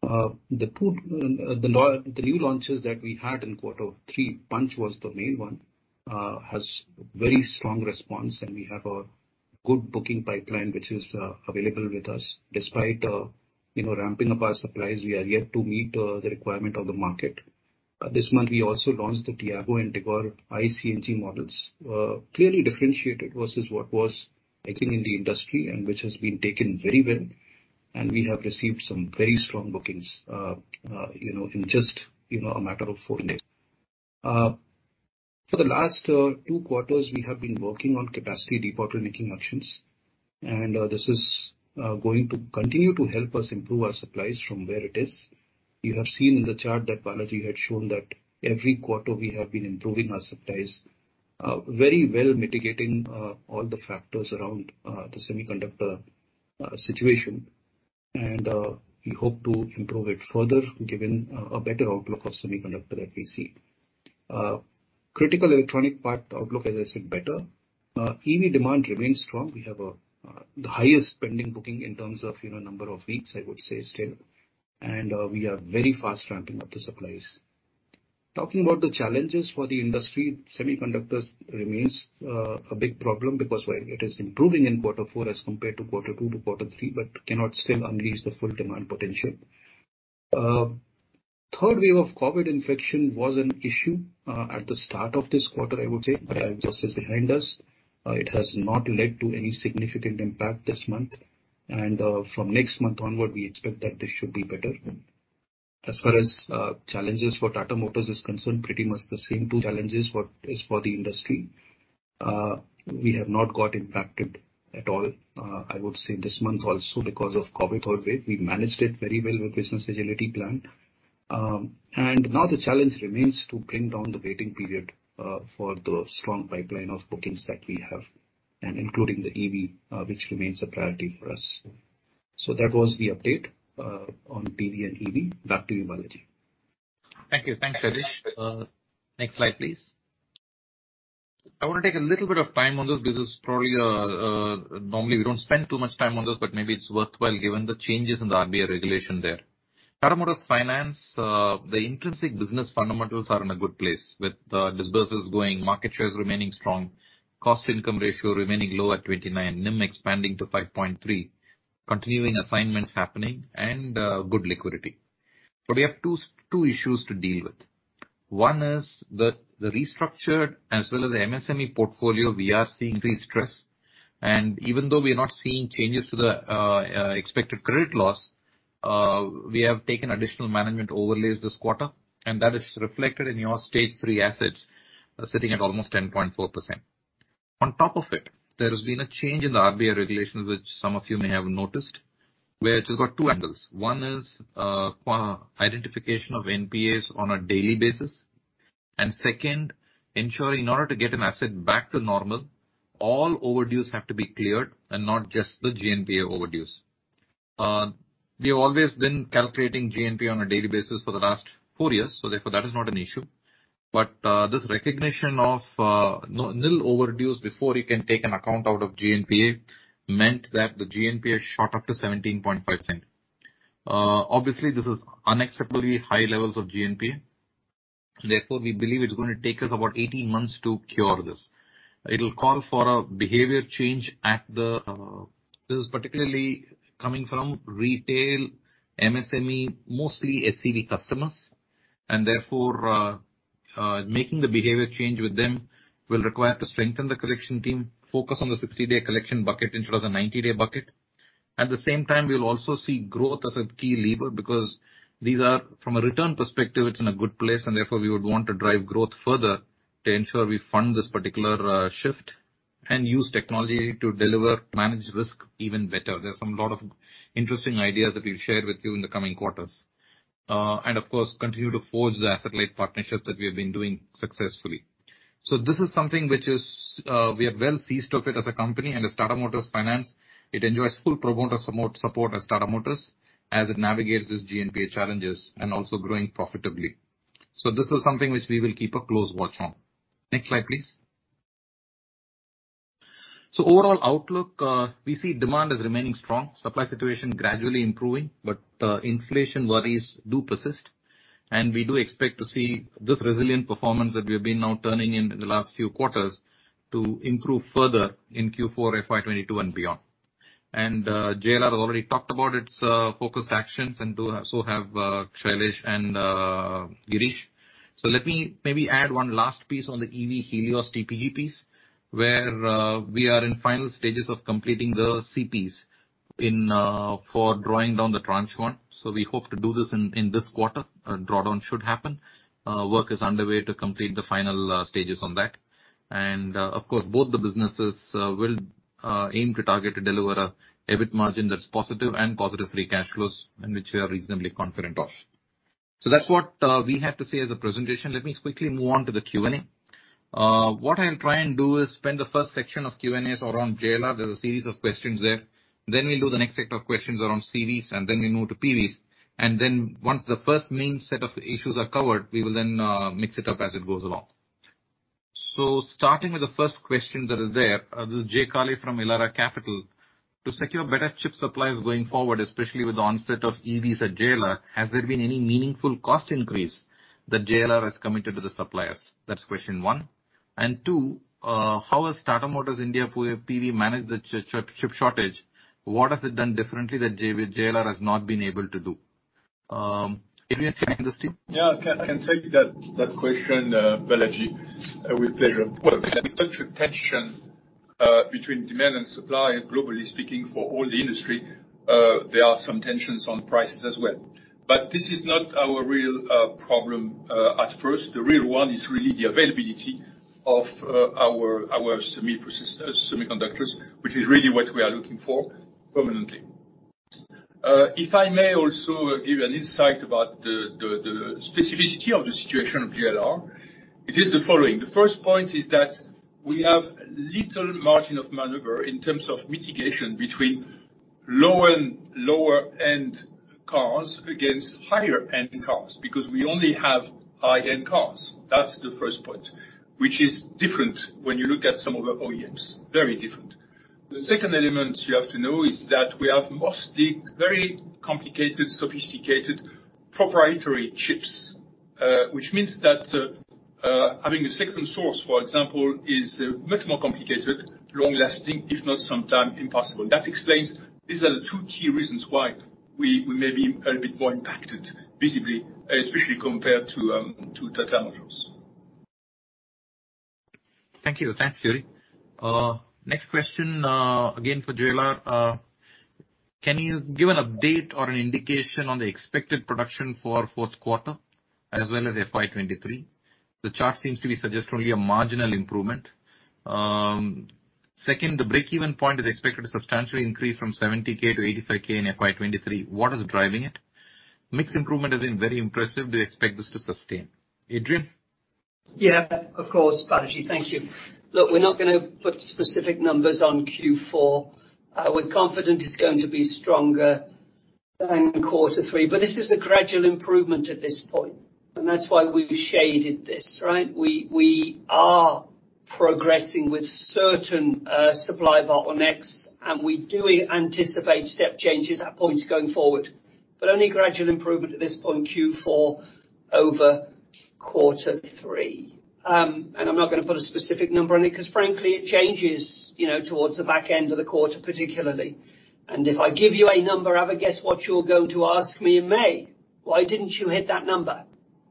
The pool The new launches that we had in quarter three, Punch was the main one, has very strong response and we have a good booking pipeline which is available with us. Despite you know, ramping up our supplies, we are yet to meet the requirement of the market. This month we also launched the Tiago and Tigor iCNG models. Clearly differentiated versus what was existing in the industry and which has been taken very well, and we have received some very strong bookings you know, in just you know, a matter of four days. For the last two quarters we have been working on capacity debottlenecking actions, and this is going to continue to help us improve our supplies from where it is. You have seen in the chart that Balaji had shown that every quarter we have been improving our supplies, very well mitigating, all the factors around, the semiconductor, situation. We hope to improve it further given, a better outlook of semiconductor that we see. Critical electronic part outlook, as I said, better. EV demand remains strong. We have the highest pending booking in terms of, you know, number of weeks, I would say still. We are very fast ramping up the supplies. Talking about the challenges for the industry, semiconductors remains a big problem because while it is improving in quarter four as compared to quarter two to quarter three, but cannot still unleash the full demand potential. Third wave of COVID infection was an issue at the start of this quarter I would say, but that is just behind us. It has not led to any significant impact this month. From next month onward, we expect that this should be better. As far as challenges for Tata Motors is concerned, pretty much the same two challenges as for the industry. We have not got impacted at all, I would say this month also, because of COVID third wave. We managed it very well with business agility plan. Now the challenge remains to bring down the waiting period for the strong pipeline of bookings that we have, and including the EV, which remains a priority for us. That was the update on PV and EV. Back to you, Balaji. Thank you. Thanks,. Next slide, please. I want to take a little bit of time on this. This is probably normally we don't spend too much time on this, but maybe it's worthwhile given the changes in the RBI regulation there. Tata Motors Finance, the intrinsic business fundamentals are in a good place with disbursements growing, market shares remaining strong, cost income ratio remaining low at 29%, NIM expanding to 5.3%, continuing assignments happening, and good liquidity. We have two issues to deal with. One is the restructured as well as the MSME portfolio, we are seeing increased stress. Even though we are not seeing changes to the expected credit loss, we have taken additional management overlays this quarter, and that is reflected in your stage three assets sitting at almost 10.4%. On top of it, there has been a change in the RBI regulations, which some of you may have noticed, where it has got two angles. One is identification of NPAs on a daily basis, and second, ensuring in order to get an asset back to normal, all overdues have to be cleared and not just the GNPA overdues. We have always been calculating GNPA on a daily basis for the last four years, so therefore that is not an issue. This recognition of nil overdues before you can take an account out of GNPA meant that the GNPA shot up to 17.5%. Obviously this is unacceptably high levels of GNPA, therefore we believe it's gonna take us about 18 months to cure this. It'll call for a behavior change at the. This is particularly coming from retail, MSME, mostly SCB customers, and therefore, making the behavior change with them will require to strengthen the collection team, focus on the 60-day collection bucket instead of the 90-day bucket. At the same time, we'll also see growth as a key lever, because these are from a return perspective, it's in a good place, and therefore, we would want to drive growth further to ensure we fund this particular shift, and use technology to deliver managed risk even better. There's a lot of interesting ideas that we'll share with you in the coming quarters. Of course, continue to forge the asset-light partnerships that we have been doing successfully. This is something which is, we are well seized of it as a company, and as Tata Motors Finance, it enjoys full promoter support as Tata Motors as it navigates its GNPA challenges and also growing profitably. This is something which we will keep a close watch on. Next slide, please. Overall outlook, we see demand as remaining strong, supply situation gradually improving, but, inflation worries do persist. We do expect to see this resilient performance that we have been now turning in the last few quarters to improve further in Q4 FY 2022 and beyond. JLR already talked about its focused actions, so have Shailesh and Girish. Let me maybe add one last piece on the EV Helios TPEM piece, where we are in final stages of completing the CPs for drawing down the tranche 1. We hope to do this in this quarter, drawdown should happen. Work is underway to complete the final stages on that. Of course, both the businesses will aim to target to deliver a EBIT margin that's positive and positive free cash flows, and which we are reasonably confident of. That's what we had to say as a presentation. Let me quickly move on to the Q&A. What I'll try and do is spend the first section of Q&A around JLR. There's a series of questions there. We'll do the next set of questions around CVs, and then we move to PVs. Once the first main set of issues are covered, we will then mix it up as it goes along. Starting with the first question that is there, this is Jay Kale from Elara Capital. To secure better chip supplies going forward, especially with the onset of EVs at JLR, has there been any meaningful cost increase that JLR has committed to the suppliers? That's question one. Two, how has Tata Motors India PV managed the chip shortage? What has it done differently that JLR has not been able to do? Adrian, can you take this, please? Yeah, I can take that question, Balaji, with pleasure. Well, with such a tension between demand and supply, globally speaking, for all the industry, there are some tensions on prices as well. This is not our real problem at first. The real one is really the availability of our semiconductors, which is really what we are looking for permanently. If I may also give an insight about the specificity of the situation of JLR, it is the following. The first point is that we have little margin of maneuver in terms of mitigation between lower-end cars against higher-end cars, because we only have high-end cars. That's the first point, which is different when you look at some of our OEMs, very different. The second element you have to know is that we have mostly very complicated, sophisticated proprietary chips, which means that having a second source, for example, is much more complicated, long-lasting, if not sometimes impossible. That explains these are the two key reasons why we may be a little bit more impacted, visibly, especially compared to Tata Motors. Thank you. Thanks, Thierry. Next question, again, for JLR. Can you give an update or an indication on the expected production for fourth quarter as well as FY 2023? The chart seems to be suggesting only a marginal improvement. Second, the break-even point is expected to substantially increase from 70,000 - 85,000 in FY 2023. What is driving it? Mix improvement has been very impressive. Do you expect this to sustain? Adrian? Yeah, of course, Balaji. Thank you. Look, we're not gonna put specific numbers on Q4. We're confident it's going to be stronger than quarter three, but this is a gradual improvement at this point, and that's why we shaded this, right? We are progressing with certain supply bottlenecks, and we do anticipate step changes at points going forward, but only gradual improvement at this point in Q4 over quarter three. I'm not gonna put a specific number on it 'cause frankly, it changes, you know, towards the back end of the quarter, particularly. If I give you a number, have a guess what you're going to ask me in May. Why didn't you hit that number,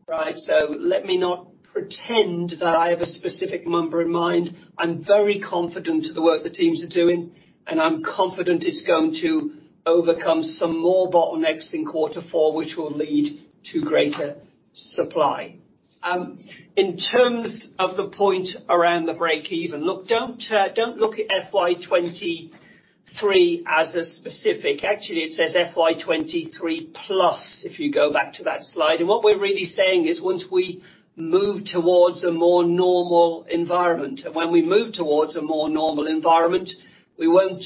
right? Let me not pretend that I have a specific number in mind. I'm very confident of the work the teams are doing, and I'm confident it's going to overcome some more bottlenecks in quarter four, which will lead to greater supply. In terms of the point around the break even, look, don't look at FY 2023 as a specific. Actually, it says FY 2023 plus if you go back to that slide. What we're really saying is once we move towards a more normal environment, and when we move towards a more normal environment, we won't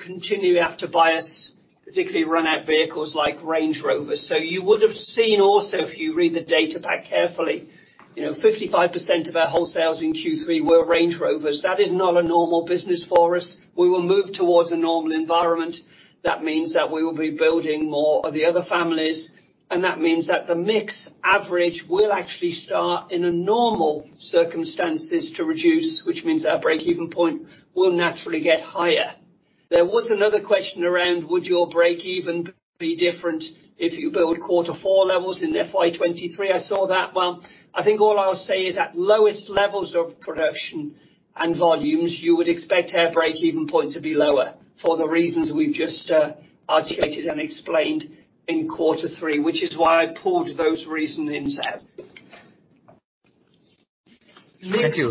continue to have to bias, particularly run out vehicles like Range Rovers. You would have seen also, if you read the data back carefully, you know, 55% of our wholesales in Q3 were Range Rovers. That is not a normal business for us. We will move towards a normal environment. That means that we will be building more of the other families, and that means that the mix average will actually start, in normal circumstances, to reduce, which means our break-even point will naturally get higher. There was another question around would your break-even be different if you build quarter four levels in FY 2023? I saw that. Well, I think all I'll say is at lowest levels of production and volumes, you would expect our break-even point to be lower for the reasons we've just articulated and explained in quarter three, which is why I pulled those reasonings out. Thank you.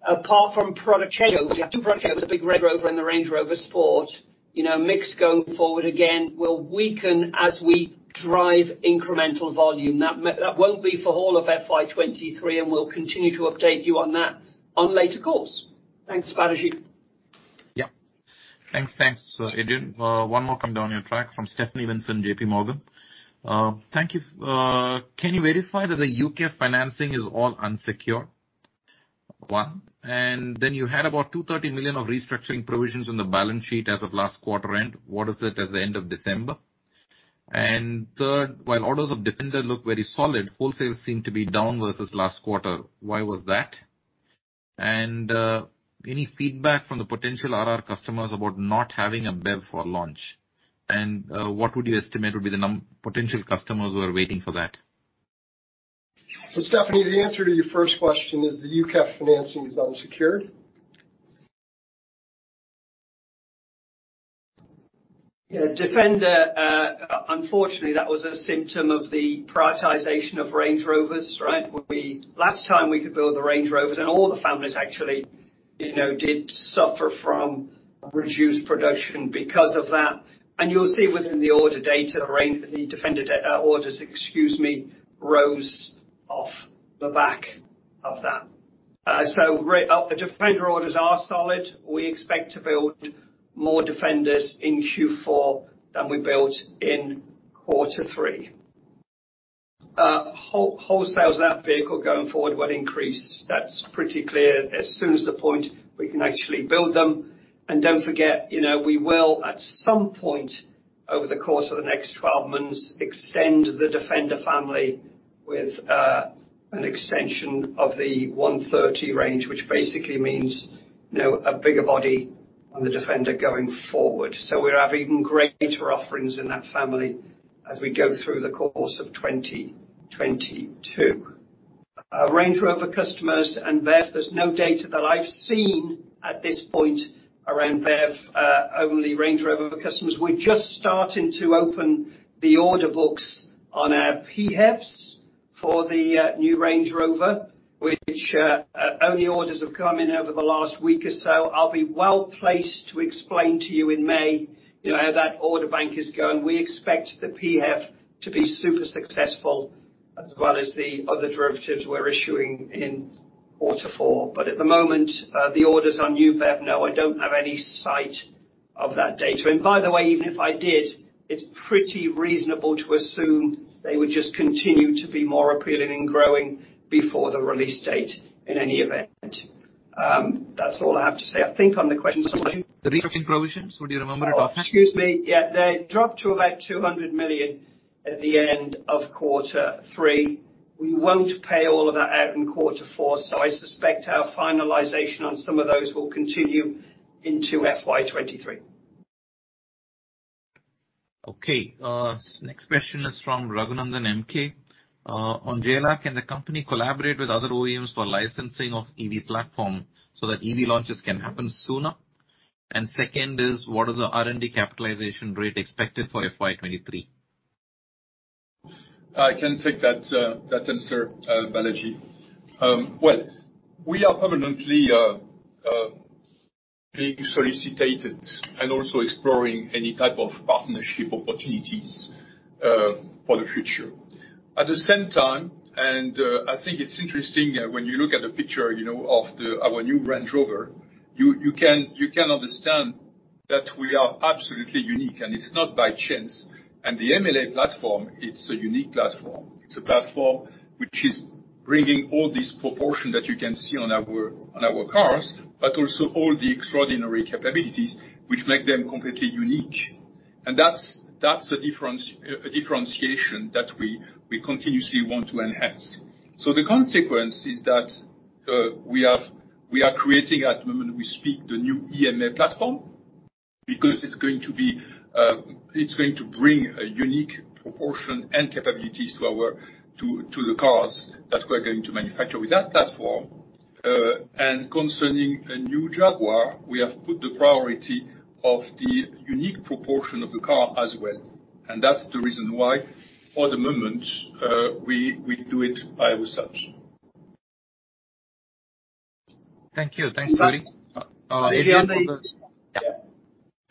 Mix, apart from product change, the big Range Rover and the Range Rover Sport, you know, mix going forward again, will weaken as we drive incremental volume. That won't be for all of FY 2023, and we'll continue to update you on that in later calls. Thanks, Balaji. Thanks. Thanks, Adrian. One more question from Stephanie Vinson, JP Morgan. Thank you. Can you verify that the UK financing is all unsecured? One. And then you had about 230 million of restructuring provisions on the balance sheet as of last quarter end. What is it at the end of December? And third, while orders of Defender look very solid, wholesale seem to be down versus last quarter. Why was that? And, any feedback from the potential RR customers about not having a BEV for launch, and, what would you estimate would be the potential customers who are waiting for that? Stephanie, the answer to your first question is the U.K. financing is unsecured. Yeah. Defender, unfortunately, that was a symptom of the prioritization of Range Rovers, right? Last time we could build the Range Rovers and all the families actually, you know, did suffer from reduced production because of that. You'll see within the order data, the Defender orders, excuse me, rose off the back of that. So Defender orders are solid. We expect to build more Defenders in Q4 than we built in quarter three. Wholesales of that vehicle going forward will increase. That's pretty clear. As soon as the point we can actually build them. Don't forget, you know, we will, at some point over the course of the next 12 months, extend the Defender family with an extension of the Defender 130 range, which basically means, you know, a bigger body on the Defender going forward. We'll have even greater offerings in that family as we go through the course of 2022. Our Range Rover customers and BEV, there's no data that I've seen at this point around BEV only Range Rover customers. We're just starting to open the order books on our PHEVs for the new Range Rover, which only orders have come in over the last week or so. I'll be well-placed to explain to you in May, you know, how that order bank is going. We expect the PHEV to be super successful as well as the other derivatives we're issuing in quarter four. At the moment, the orders on new BEV, no, I don't have any sight of that data. By the way, even if I did, it's pretty reasonable to assume they would just continue to be more appealing and growing before the release date in any event. That's all I have to say. I think on the question. The restructuring provisions, would you remember it offhand? Oh, excuse me. Yeah, they dropped to about 200 million at the end of quarter three. We won't pay all of that out in quarter four, so I suspect our finalization on some of those will continue into FY 2023. Okay. Next question is from Raghu Nandan MK. On JLR, can the company collaborate with other OEMs for licensing of EV platform so that EV launches can happen sooner? And second is, what is the R&D capitalization rate expected for FY 2023? I can take that answer, Balaji. Well, we are permanently being solicited and also exploring any type of partnership opportunities for the future. At the same time, I think it's interesting when you look at the picture, you know, of our new Range Rover, you can understand that we are absolutely unique, and it's not by chance. The MLA platform, it's a unique platform. It's a platform which is bringing all this proportion that you can see on our cars, but also all the extraordinary capabilities which make them completely unique. That's a differentiation that we continuously want to enhance. The consequence is that we are creating at the moment we speak the new EMA platform because it's going to bring a unique proposition and capabilities to our cars that we are going to manufacture with that platform. Concerning a new Jaguar, we have put the priority of the unique proposition of the car as well. That's the reason why for the moment we do it by ourselves. Thank you. Thanks, Thierry. Balaji. Adrian, on the Yeah.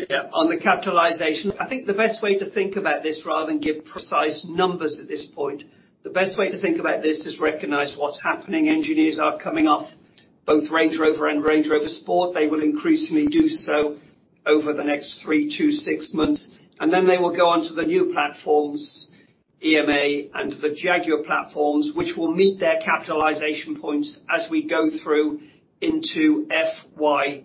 Yeah. On the capitalization, I think the best way to think about this rather than give precise numbers at this point, the best way to think about this is recognize what's happening. Engineers are coming off both Range Rover and Range Rover Sport. They will increasingly do so over the next three- six months, and then they will go on to the new platforms, EMA and the Jaguar platforms, which will meet their capitalization points as we go through into FY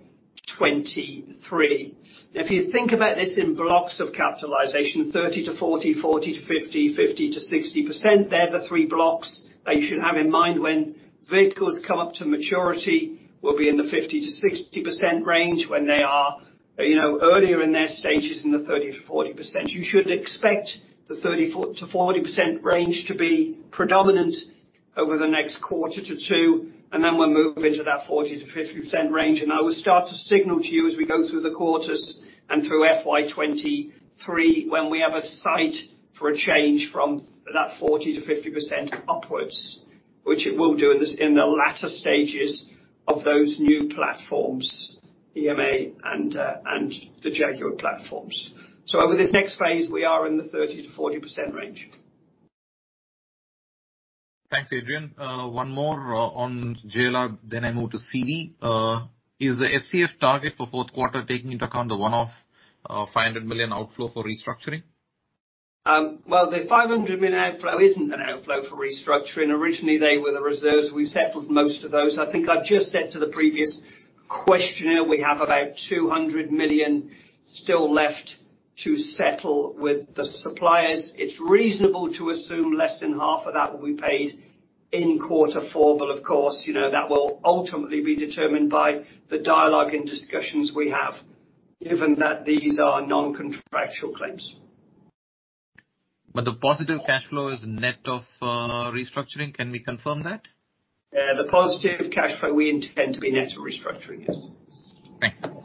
2023. If you think about this in blocks of capitalization, 30-40, 40-50, 50-60%, they're the three blocks that you should have in mind when vehicles come up to maturity will be in the 50%-60% range when they are, you know, earlier in their stages in the 30%-40%. You should expect the 30%-40% range to be predominant over the next quarter to two, and then we'll move into that 40%-50% range. I will start to signal to you as we go through the quarters and through FY 2023 when we have a sign for a change from that 40%-50% upwards, which it will do in the latter stages of those new platforms, EMA and the Jaguar platforms. Over this next phase, we are in the 30%-40% range. Thanks, Adrian. One more on JLR, then I move to CV. Is the FCF target for fourth quarter taking into account the one-off of 500 million outflow for restructuring? Well, the 500 million outflow isn't an outflow for restructuring. Originally, they were the reserves. We've settled most of those. I think I've just said to the previous questioner, we have about 200 million still left to settle with the suppliers. It's reasonable to assume less than half of that will be paid in quarter four. Of course, you know, that will ultimately be determined by the dialogue and discussions we have, given that these are non-contractual claims. The positive cash flow is net of restructuring. Can we confirm that? Yeah. The positive cash flow we intend to be net of restructuring, yes. Thanks.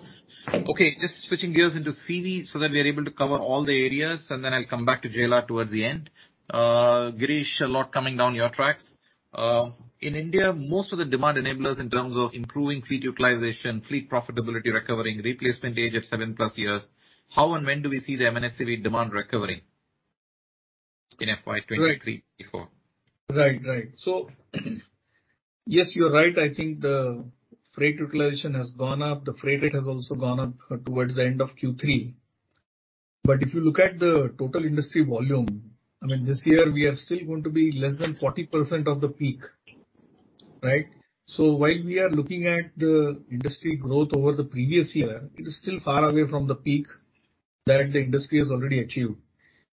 Okay, just switching gears into CV so that we are able to cover all the areas, and then I'll come back to JLR towards the end. Girish, a lot coming down your tracks. In India, most of the demand enablers in terms of improving fleet utilization, fleet profitability recovering, replacement age of 7+ years, how and when do we see the M&HCV demand recovering in FY 2023, before? Yes, you're right. I think the freight utilization has gone up. The freight rate has also gone up towards the end of Q3. If you look at the total industry volume, I mean, this year we are still going to be less than 40% of the peak, right? While we are looking at the industry growth over the previous year, it is still far away from the peak that the industry has already achieved.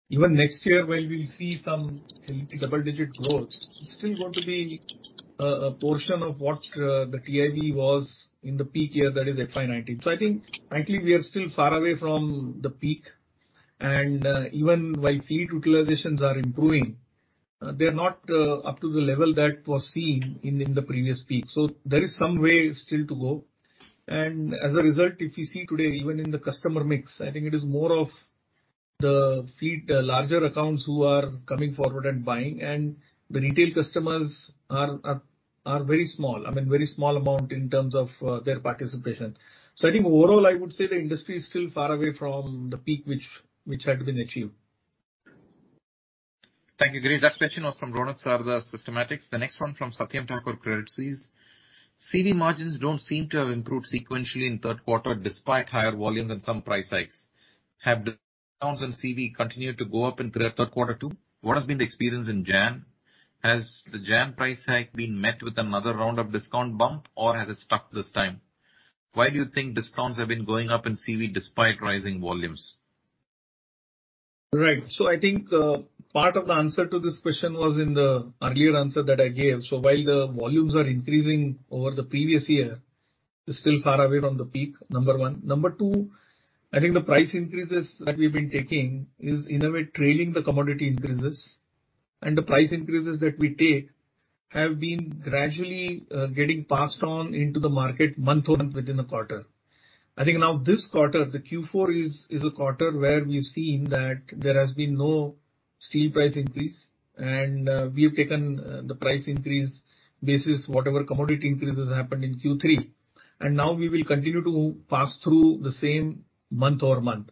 Even next year, while we'll see some healthy double-digit growth, it's still going to be a portion of what the TIV was in the peak year, that is FY 2019. I think frankly, we are still far away from the peak. Even while fleet utilizations are improving, they're not up to the level that was seen in the previous peak. There is some way still to go. As a result, if you see today, even in the customer mix, I think it is more of the fleet, larger accounts who are coming forward and buying, and the retail customers are very small. I mean, very small amount in terms of their participation. I think overall, I would say the industry is still far away from the peak which had been achieved. Thank you, Girish. That question was from Ronak Sarda, Systematix. The next one from Satyam Thakur, Credit Suisse. CV margins don't seem to have improved sequentially in third quarter despite higher volumes and some price hikes. Have discounts on CV continued to go up in third quarter too? What has been the experience in January? Has the January price hike been met with another round of discount bump or has it stuck this time? Why do you think discounts have been going up in CV despite rising volumes? Right. I think part of the answer to this question was in the earlier answer that I gave. While the volumes are increasing over the previous year, it's still far away from the peak, number one. Number two, I think the price increases that we've been taking is in a way trailing the commodity increases. The price increases that we take have been gradually getting passed on into the market month-on-month within the quarter. I think now this quarter, the Q4 is a quarter where we've seen that there has been no steel price increase, and we have taken the price increase basis whatever commodity increases happened in Q3. Now we will continue to pass through the same month-over-month.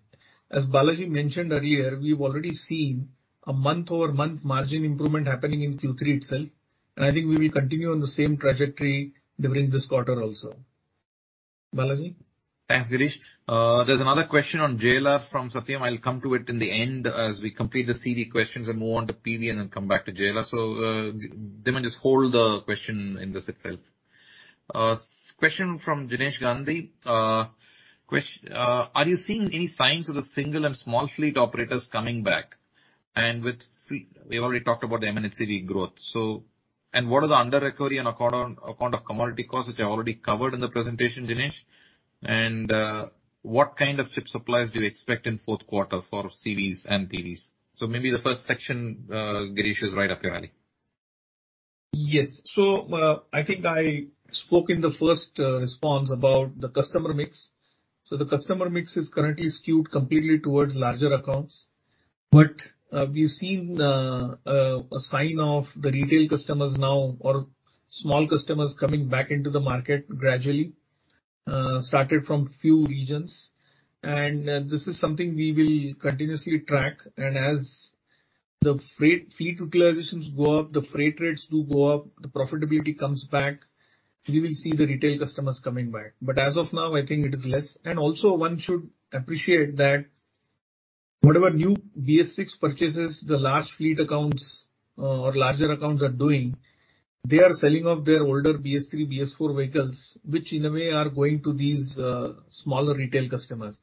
As Balaji mentioned earlier, we've already seen a month-over-month margin improvement happening in Q3 itself, and I think we will continue on the same trajectory during this quarter also. Balaji? Thanks, Girish. There's another question on JLR from Satyam Thakur. I'll come to it in the end as we complete the CV questions and move on to PV and then come back to JLR. Let me just hold the question in this itself. Question from Jinesh Gandhi. Are you seeing any signs of the single and small fleet operators coming back? We've already talked about the M&CV growth. What are the under-recovery on account of commodity costs, which I already covered in the presentation, Jinesh Gandhi. What kind of chip supplies do you expect in fourth quarter for CVs and PVs? Maybe the first section, Girish, is right up your alley. Yes. I think I spoke in the first response about the customer mix. The customer mix is currently skewed completely towards larger accounts. We've seen a sign of the retail customers now or small customers coming back into the market gradually, started from few regions. This is something we will continuously track. As the freight, fleet utilizations go up, the freight rates do go up, the profitability comes back, we will see the retail customers coming back. As of now, I think it is less. Also one should appreciate that. Whatever new BS6 purchases the large fleet accounts or larger accounts are doing, they are selling off their older BS3, BS4 vehicles, which in a way are going to these smaller retail customers.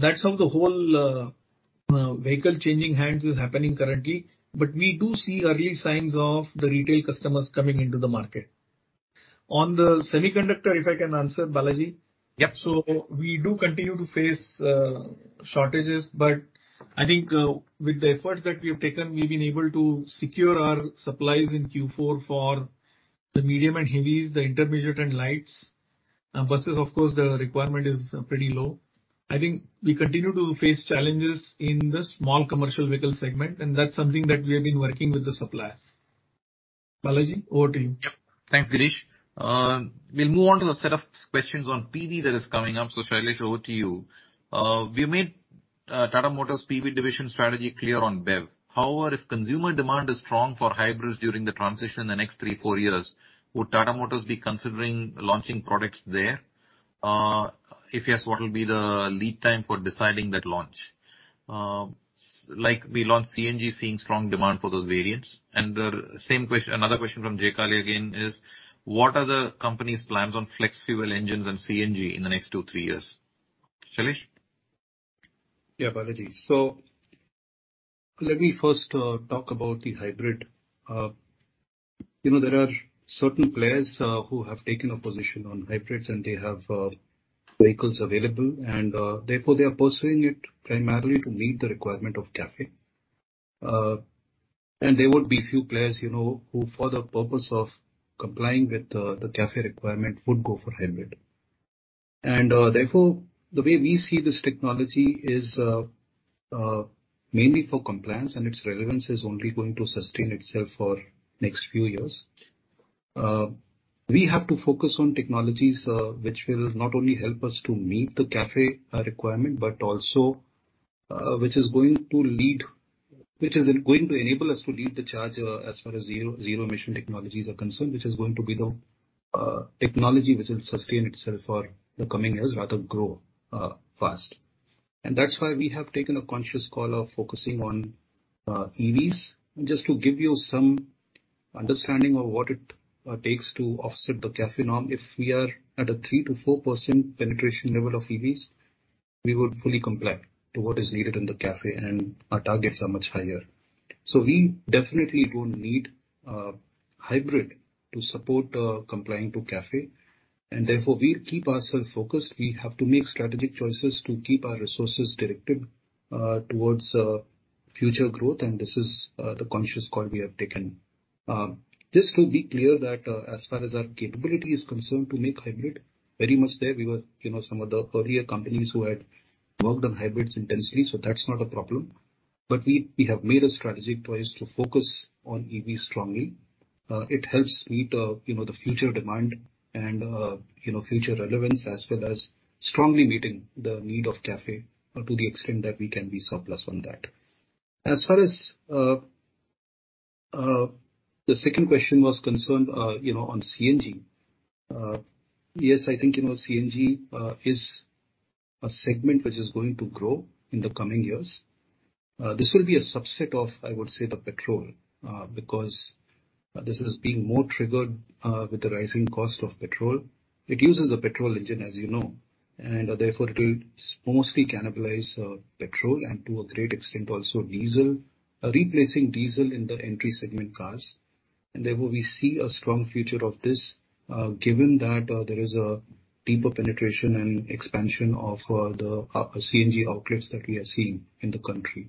That's how the whole vehicle changing hands is happening currently. We do see early signs of the retail customers coming into the market. On the semiconductor, if I can answer, Balaji. Yep. We do continue to face shortages, but I think with the efforts that we have taken, we've been able to secure our supplies in Q4 for the medium and heavies, the intermediate and lights. Buses, of course, the requirement is pretty low. I think we continue to face challenges in the small commercial vehicle segment, and that's something that we have been working with the suppliers. P.B. Balaji, over to you. Yep. Thanks, Girish. We'll move on to the set of questions on PV that is coming up. Shailesh, over to you. We made Tata Motors PV division strategy clear on BEV. However, if consumer demand is strong for hybrids during the transition in the next three-four years, would Tata Motors be considering launching products there? If yes, what will be the lead time for deciding that launch? Like we launched CNG, seeing strong demand for those variants. Another question from Jay Kale again is: What are the company's plans on flex fuel engines and CNG in the next two-three years? Shailesh? P.B. Balaji. Let me first talk about the hybrid. You know, there are certain players who have taken a position on hybrids and they have vehicles available and therefore they are pursuing it primarily to meet the requirement of CAFE. There would be few players, you know, who for the purpose of complying with the CAFE requirement would go for hybrid. Therefore, the way we see this technology is mainly for compliance, and its relevance is only going to sustain itself for next few years. We have to focus on technologies which will not only help us to meet the CAFE requirement, but also which is going to lead. which is going to enable us to lead the charge as far as zero emission technologies are concerned, which is going to be the technology which will sustain itself for the coming years, rather grow fast. That's why we have taken a conscious call of focusing on EVs. Just to give you some understanding of what it takes to offset the CAFE norm, if we are at a 3%-4% penetration level of EVs, we would fully comply to what is needed in the CAFE, and our targets are much higher. We definitely don't need hybrid to support complying to CAFE, and therefore we keep ourself focused. We have to make strategic choices to keep our resources directed towards future growth, and this is the conscious call we have taken. This will be clear that as far as our capability is concerned to make hybrid very much there. We were, you know, some of the earlier companies who had worked on hybrids intensely, so that's not a problem. But we have made a strategic choice to focus on EV strongly. It helps meet, you know, the future demand and, you know, future relevance, as well as strongly meeting the need of CAFE to the extent that we can be surplus on that. As far as the second question was concerned, you know, on CNG. Yes, I think, you know, CNG is a segment which is going to grow in the coming years. This will be a subset of, I would say, the petrol because this is being more triggered with the rising cost of petrol. It uses a petrol engine, as you know, and therefore it will mostly cannibalize petrol and to a great extent also diesel, replacing diesel in the entry segment cars. Therefore we see a strong future of this, given that there is a deeper penetration and expansion of the CNG outlets that we are seeing in the country.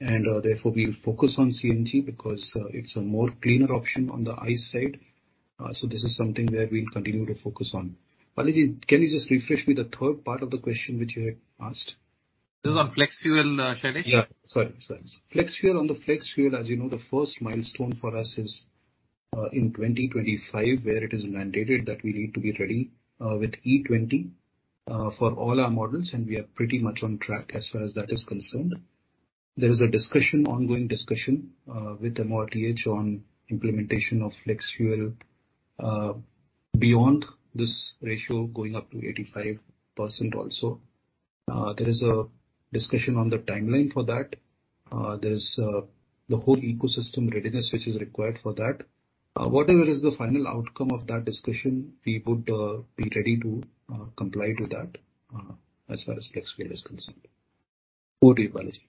Therefore, we focus on CNG because it's a more cleaner option on the ICE side. This is something that we'll continue to focus on. Balaji, can you just refresh me the third part of the question which you had asked? This is on flex fuel, Shailesh. Yeah. Sorry. Flex fuel. On the flex fuel, as you know, the first milestone for us is in 2025, where it is mandated that we need to be ready with E20 for all our models, and we are pretty much on track as far as that is concerned. There is a discussion, ongoing discussion with MoRTH on implementation of flex fuel beyond this ratio, going up to 85% also. There is a discussion on the timeline for that. There's the whole ecosystem readiness which is required for that. Whatever is the final outcome of that discussion, we would be ready to comply to that as far as flex fuel is concerned. Over to you, Balaji.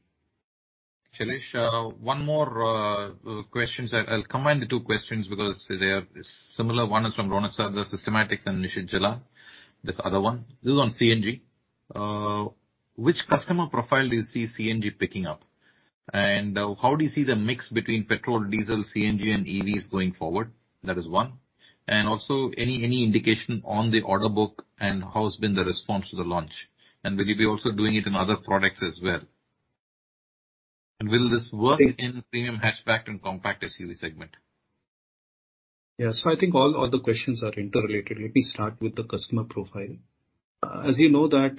Shailesh, one more questions. I'll combine the two questions because they are similar. One is from Ronak Sarda, Systematix, and Nishit Jalan, this other one. This is on CNG. Which customer profile do you see CNG picking up? And how do you see the mix between petrol, diesel, CNG and EVs going forward? That is one. And also, any indication on the order book and how has been the response to the launch? And will you be also doing it in other products as well? And will this work in premium hatchback and compact SUV segment? Yeah. I think all the questions are interrelated. Let me start with the customer profile. As you know that,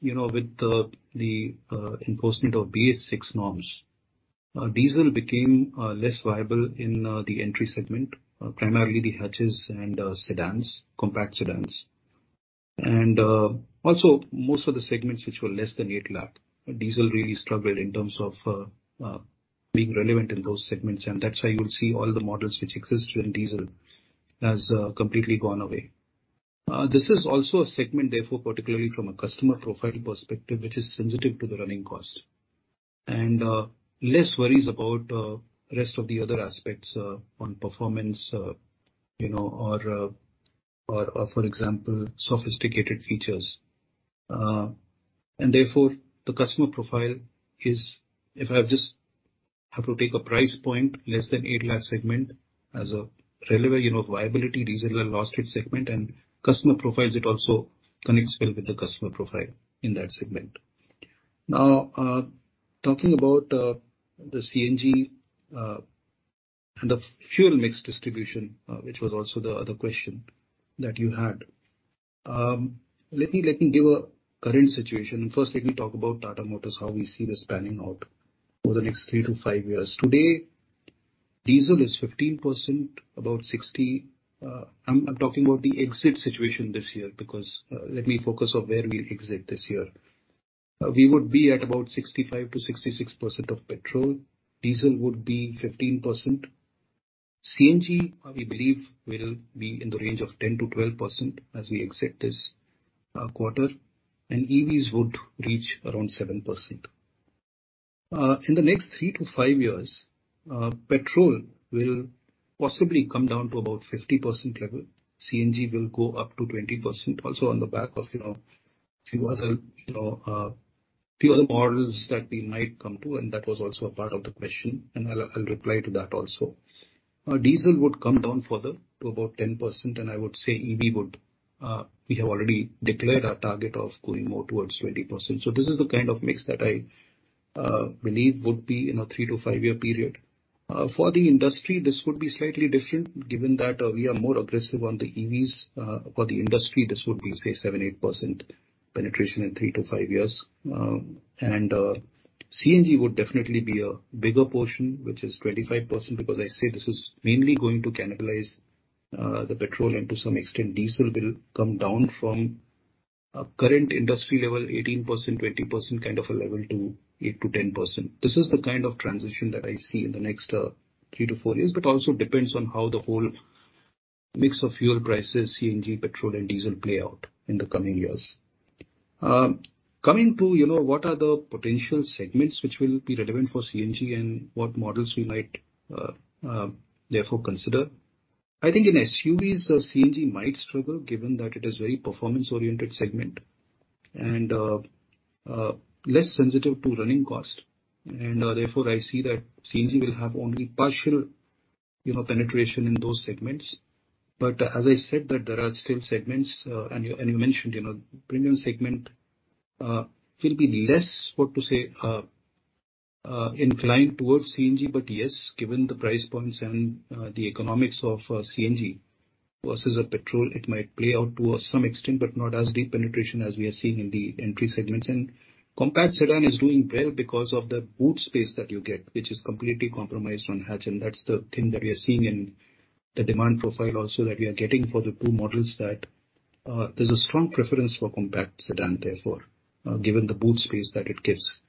you know, with the enforcement of BS6 norms, diesel became less viable in the entry segment, primarily the hatches and sedans, compact sedans. Also most of the segments which were less than 8 lakh, diesel really struggled in terms of being relevant in those segments. That's why you'll see all the models which exist in diesel has completely gone away. This is also a segment, therefore, particularly from a customer profile perspective, which is sensitive to the running cost and less worries about rest of the other aspects on performance, you know, or for example, sophisticated features. Therefore the customer profile is, if I just have to take a price point less than 8 lakh segment as a relevant, you know, viability diesel lost its segment and customer profiles, it also connects well with the customer profile in that segment. Now, talking about the CNG and the fuel mix distribution, which was also the other question that you had. Let me give a current situation, and first let me talk about Tata Motors, how we see this panning out over the next three to five years. Today, diesel is 15%, about 60. I'm talking about the exit situation this year because, let me focus on where we exit this year. We would be at about 65%-66% of petrol. Diesel would be 15%. CNG, we believe will be in the range of 10%-12% as we exit this quarter, and EVs would reach around 7%. In the next three-five years, petrol will possibly come down to about 50% level. CNG will go up to 20% also on the back of, you know, few other models that we might come to, and that was also a part of the question, and I'll reply to that also. Diesel would come down further to about 10%, and I would say EV would, we have already declared our target of going more towards 20%. This is the kind of mix that I believe would be in a three-five year period. For the industry, this would be slightly different given that we are more aggressive on the EVs. For the industry, this would be, say, 7-8% penetration in three-five years. CNG would definitely be a bigger portion, which is 25%, because I say this is mainly going to cannibalize the petrol and to some extent diesel will come down from a current industry level, 18%-20% kind of a level to 8%-10%. This is the kind of transition that I see in the next three-four years, but also depends on how the whole mix of fuel prices, CNG, petrol and diesel play out in the coming years. Coming to, you know, what are the potential segments which will be relevant for CNG and what models we might therefore consider. I think in SUVs, the CNG might struggle given that it is very performance-oriented segment and less sensitive to running cost. Therefore, I see that CNG will have only partial, you know, penetration in those segments. As I said that there are still segments, and you mentioned, you know, premium segment will be less, what to say, inclined towards CNG. Yes, given the price points and the economics of CNG versus a petrol, it might play out to some extent, but not as deep penetration as we are seeing in the entry segments. Compact sedan is doing well because of the boot space that you get, which is completely compromised on hatch. That's the thing that we are seeing in the demand profile also that we are getting for the two models that there's a strong preference for compact sedan, therefore, given the boot space that it gives.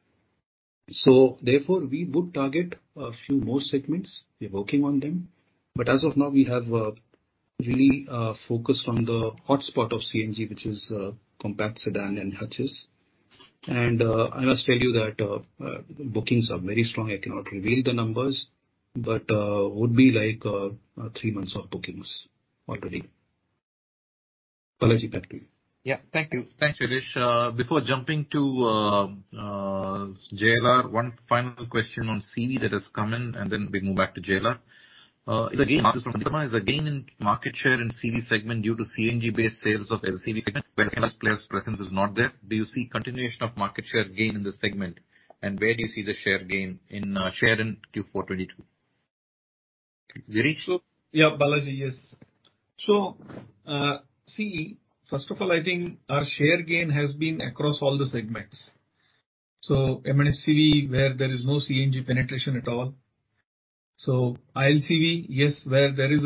Therefore, we would target a few more segments. We're working on them, but as of now, we have really focused on the hotspot of CNG, which is compact sedan and hatches. I must tell you that bookings are very strong. I cannot reveal the numbers, but would be like three months of bookings already. P.B. Balaji, back to you. Thank you. Thanks, Girish. Before jumping to JLR, one final question on CV that has come in, and then we move back to JLR. From Santhosh, the gain in market share in CV segment due to CNG-based sales of LCV segment where certain players' presence is not there. Do you see continuation of market share gain in this segment? And where do you see the share gain in Q4 2022? Girish? Yeah, Balaji. Yes. CV, first of all, I think our share gain has been across all the segments. M&HCV, where there is no CNG penetration at all. ILCV, yes, where there is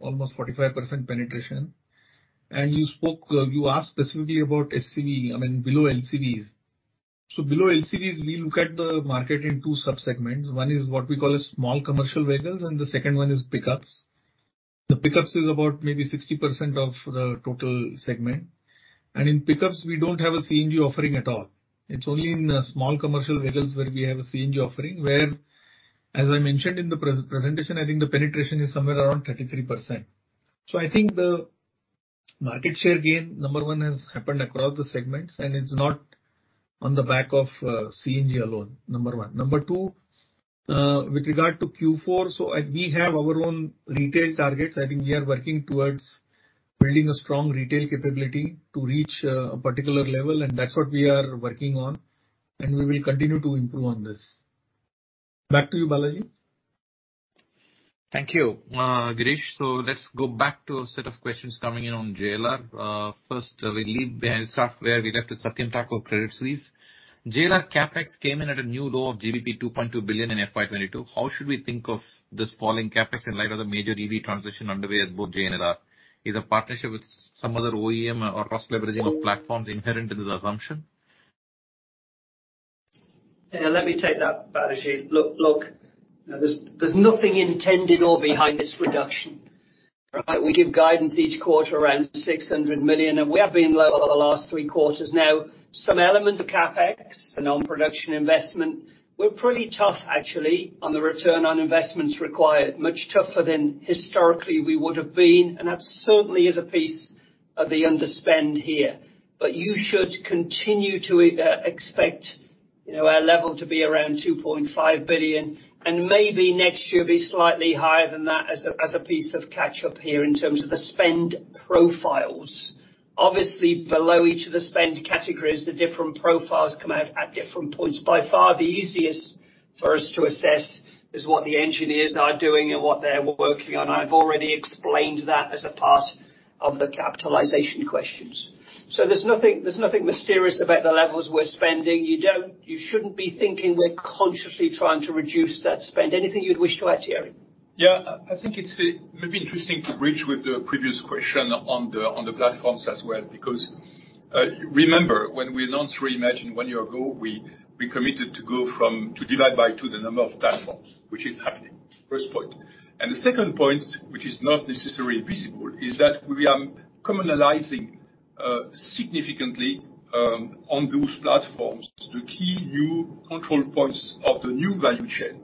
almost 45% penetration. You spoke, you asked specifically about SCV, I mean below LCVs. Below LCVs, we look at the market in two sub-segments. One is what we call as small commercial vehicles, and the second one is pickups. The pickups is about maybe 60% of the total segment. In pickups, we don't have a CNG offering at all. It's only in small commercial vehicles where we have a CNG offering, where, as I mentioned in the presentation, I think the penetration is somewhere around 33%. I think the market share gain, number one, has happened across the segments, and it's not on the back of CNG alone, number one. Number two, with regard to Q4, we have our own retail targets. I think we are working towards building a strong retail capability to reach a particular level, and that's what we are working on, and we will continue to improve on this. Back to you, Balaji. Thank you, Girish Wagh. Let's go back to a set of questions coming in on JLR. First, start where we left with Satyam Thakur of Credit Suisse. JLR CapEx came in at a new low of GBP 2.2 billion in FY 2022. How should we think of this falling CapEx in light of the major EV transition underway at both JLR? Is a partnership with some other OEM or cross-leveraging of platforms inherent in this assumption? Yeah, let me take that, Balaji. Look, there's nothing intended or behind this reduction, right? We give guidance each quarter around 600 million, and we have been low over the last three quarters. Now, some element of CapEx and on production investment, we're pretty tough actually on the return on investments required. Much tougher than historically we would have been, and that certainly is a piece of the underspend here. You should continue to expect, you know, our level to be around 2.5 billion, and maybe next year be slightly higher than that as a piece of catch up here in terms of the spend profiles. Obviously, below each of the spend categories, the different profiles come out at different points. By far, the easiest for us to assess is what the engineers are doing and what they're working on. I've already explained that as a part of the capitalization questions. There's nothing mysterious about the levels we're spending. You shouldn't be thinking we're consciously trying to reduce that spend. Anything you'd wish to add, Thierry? Yeah, I think it's maybe interesting to bridge with the previous question on the platforms as well, because remember when we launched Reimagine one year ago, we committed to go from to divide by two the number of platforms, which is happening. First point. The second point, which is not necessarily visible, is that we are commonalizing significantly on those platforms. The key new control points of the new value chain,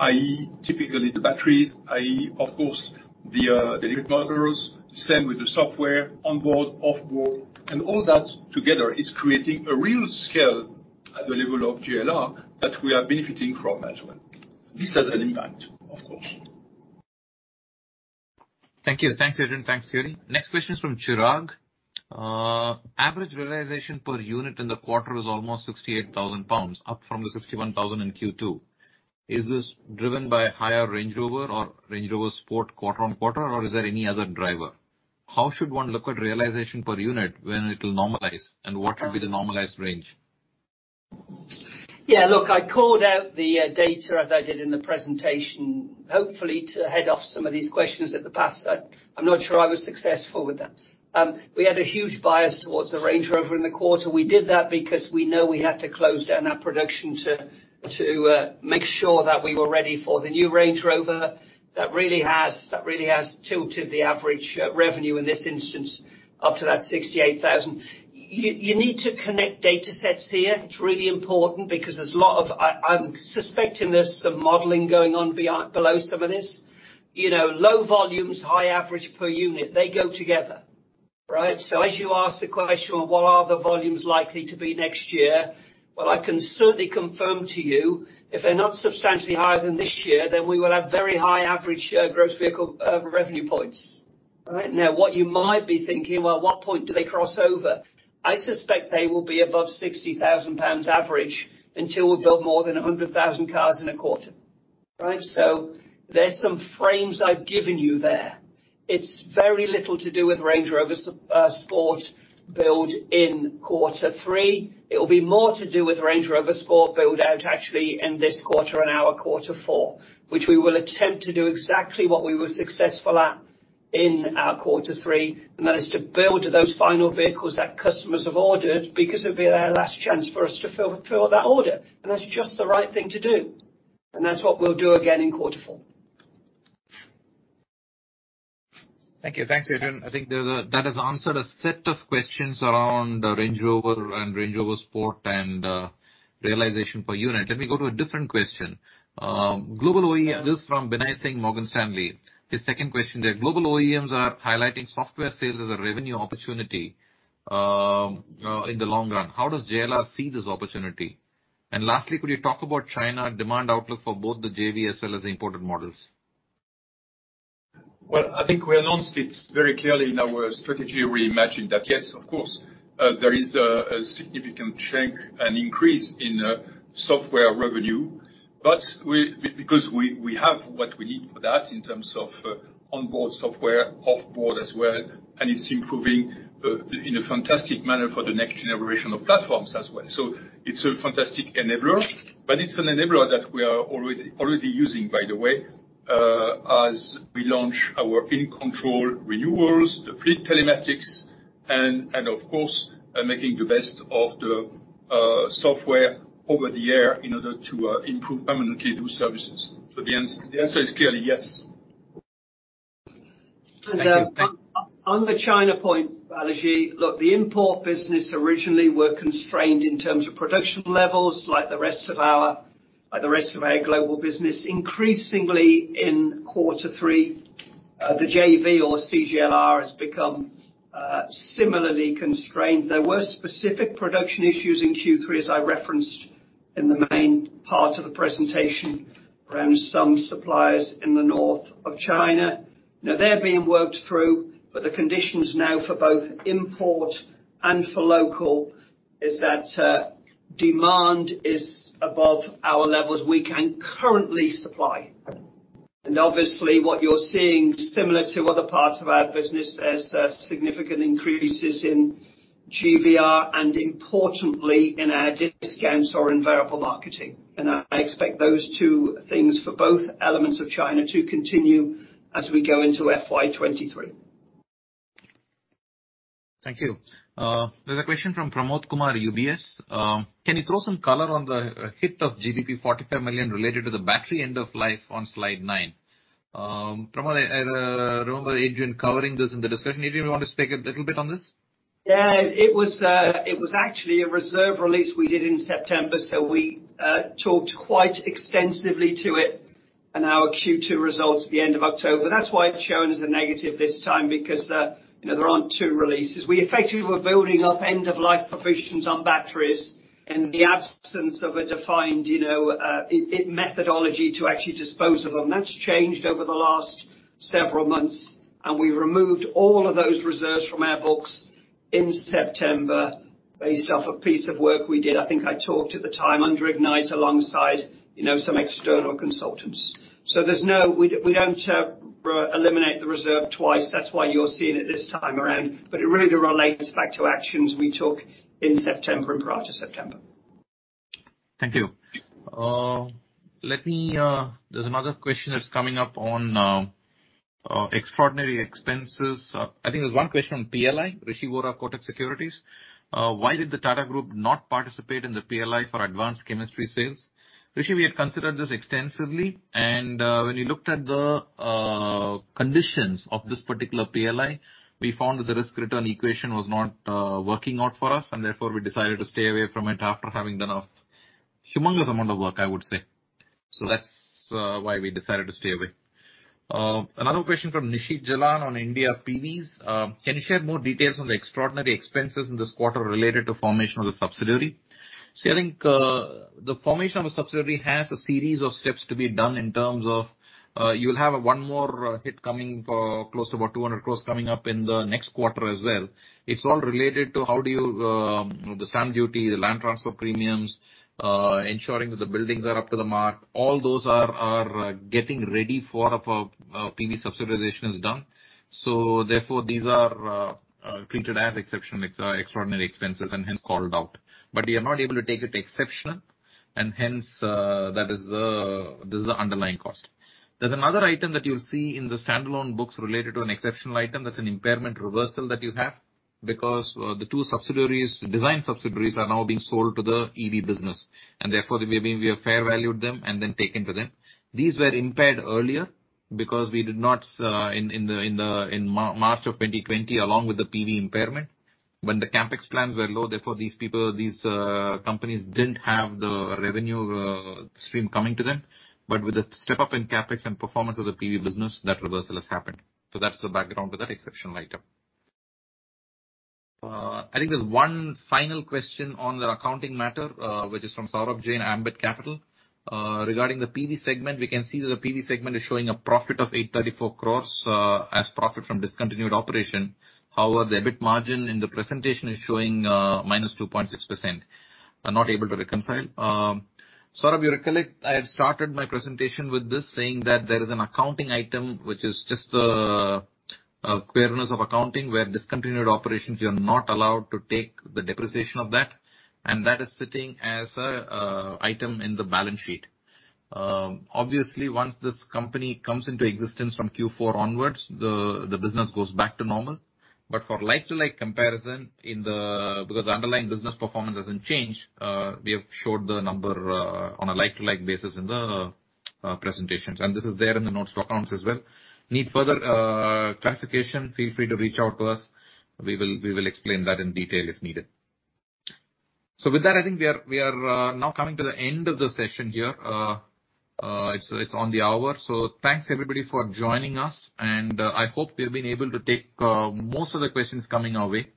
i.e., typically the batteries, i.e., of course, the new motors, the same with the software on board, off board. All that together is creating a real scale at the level of JLR that we are benefiting from as well. This has an impact, of course. Thank you. Thanks, Adrian. Thanks, Thierry. Next question is from Chirag. Average realization per unit in the quarter was almost 68,000 pounds, up from the 61,000 in Q2. Is this driven by higher Range Rover or Range Rover Sport quarter-on-quarter, or is there any other driver? How should one look at realization per unit when it will normalize, and what would be the normalized range? Yeah, look, I called out the data as I did in the presentation, hopefully to head off some of these questions in the past. I'm not sure I was successful with that. We had a huge bias towards the Range Rover in the quarter. We did that because we know we had to close down our production to make sure that we were ready for the new Range Rover. That really has tilted the average revenue in this instance up to that 68,000. You need to connect data sets here. It's really important because there's a lot of. I'm suspecting there's some modeling going on below some of this. You know, low volumes, high average per unit, they go together, right? As you ask the question, well, what are the volumes likely to be next year? Well, I can certainly confirm to you, if they're not substantially higher than this year, then we will have very high average Gross Vehicle Revenue points. All right? Now, what you might be thinking, well, at what point do they cross over? I suspect they will be above 60,000 pounds average until we build more than 100,000 cars in a quarter, right? So there's some framing I've given you there. It's very little to do with Range Rover Sport build in quarter three. It will be more to do with Range Rover Sport build-out actually in this quarter and our quarter four, which we will attempt to do exactly what we were successful at in our quarter three, and that is to build those final vehicles that customers have ordered because it'll be their last chance for us to fill that order. That's just the right thing to do. That's what we'll do again in quarter four. Thank you. Thanks, Adrian. I think that has answered a set of questions around the Range Rover and Range Rover Sport and realization per unit. Let me go to a different question. Global OEMs. This from Binay Singh, Morgan Stanley. His second question there. Global OEMs are highlighting software sales as a revenue opportunity in the long run. How does JLR see this opportunity? Lastly, could you talk about China demand outlook for both the JV as well as the imported models? Well, I think we announced it very clearly in our strategy, Reimagine, that yes, of course, there is a significant change and increase in software revenue. We have what we need for that in terms of onboard software, off board as well, and it's improving in a fantastic manner for the next generation of platforms as well. It's a fantastic enabler, but it's an enabler that we are already using, by the way, as we launch our InControl renewals, the fleet telematics, and of course, making the best of the software over the air in order to improve permanently those services. The answer is clearly yes. On the China point, Balaji, look, the import business originally were constrained in terms of production levels like the rest of our global business. Increasingly in quarter three, the JV or CJLR has become similarly constrained. There were specific production issues in Q3, as I referenced in the main part of the presentation, around some suppliers in the north of China. Now, they're being worked through, but the conditions now for both import and for local is that demand is above our levels we can currently supply. Obviously, what you're seeing, similar to other parts of our business, there's significant increases in GVR and importantly in our discounts or in variable margin. I expect those two things for both elements of China to continue as we go into FY 2023. Thank you. There's a question from Pramod Kumar, UBS. Can you throw some color on the hit of 45 million related to the battery end of life on slide nine? Pramod, I remember Adrian covering this in the discussion. Adrian, you want to speak a little bit on this? Yeah. It was actually a reserve release we did in September, so we talked quite extensively to it in our Q2 results at the end of October. That's why it's shown as a negative this time because, you know, there aren't two releases. We effectively were building up end-of-life provisions on batteries in the absence of a defined, you know, it methodology to actually dispose of them. That's changed over the last several months, and we removed all of those reserves from our books in September based off a piece of work we did, I think I talked at the time, under Ignite alongside, you know, some external consultants. So we don't re-eliminate the reserve twice. That's why you're seeing it this time around, but it really relates back to actions we took in September and prior to September. Thank you. There's another question that's coming up on extraordinary expenses. I think there's one question on PLI. Rishi Vora, Kotak Securities. Why did the Tata Group not participate in the PLI for Advanced Chemistry Cells? Rishi, we had considered this extensively, and when we looked at the conditions of this particular PLI, we found that the risk-return equation was not working out for us, and therefore, we decided to stay away from it after having done a humongous amount of work, I would say. That's why we decided to stay away. Another question from Nishit Jalan on India PVs. Can you share more details on the extraordinary expenses in this quarter related to formation of the subsidiary? See, I think the formation of a subsidiary has a series of steps to be done in terms of you'll have one more hit coming for close to about 200 crores coming up in the next quarter as well. It's all related to how do you you know the stamp duty the land transfer premiums ensuring that the buildings are up to the mark. All those are getting ready for PV subsidiarization is done. Therefore these are treated as exceptional extraordinary expenses and hence called out. We are not able to take it to exceptional and hence this is the underlying cost. There's another item that you'll see in the standalone books related to an exceptional item. That's an impairment reversal that you have because the two subsidiaries, design subsidiaries, are now being sold to the EV business, and therefore, we have fair valued them and then taken to them. These were impaired earlier because we did not in the in March of 2020 along with the PV impairment. When the CapEx plans were low, therefore these people, these companies didn't have the revenue stream coming to them. With the step up in CapEx and performance of the PV business, that reversal has happened. That's the background to that exceptional item. I think there's one final question on the accounting matter, which is from Saurabh Jain, Ambit Capital. Regarding the PV segment, we can see that the PV segment is showing a profit of 834 crores, as profit from discontinued operation. However, the EBIT margin in the presentation is showing minus 2.6%. I'm not able to reconcile. Saurabh, you recollect I had started my presentation with this, saying that there is an accounting item which is just a quirkiness of accounting where discontinued operations, you're not allowed to take the depreciation of that, and that is sitting as a item in the balance sheet. Obviously, once this company comes into existence from Q4 onwards, the business goes back to normal. But for like-for-like comparison because underlying business performance doesn't change, we have showed the number on a like-for-like basis in the presentations. This is there in the notes to accounts as well. If you need further clarification, feel free to reach out to us. We will explain that in detail if needed. With that, I think we are now coming to the end of the session here. It's on the hour. Thanks everybody for joining us, and I hope we've been able to take most of the questions coming our way.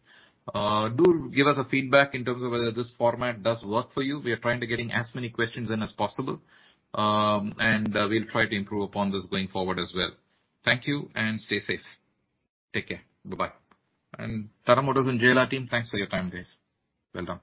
Do give us a feedback in terms of whether this format does work for you. We are trying to get as many questions in as possible. We'll try to improve upon this going forward as well. Thank you, and stay safe. Take care. Bye-bye. Tata Motors and JLR team, thanks for your time, guys. Well done.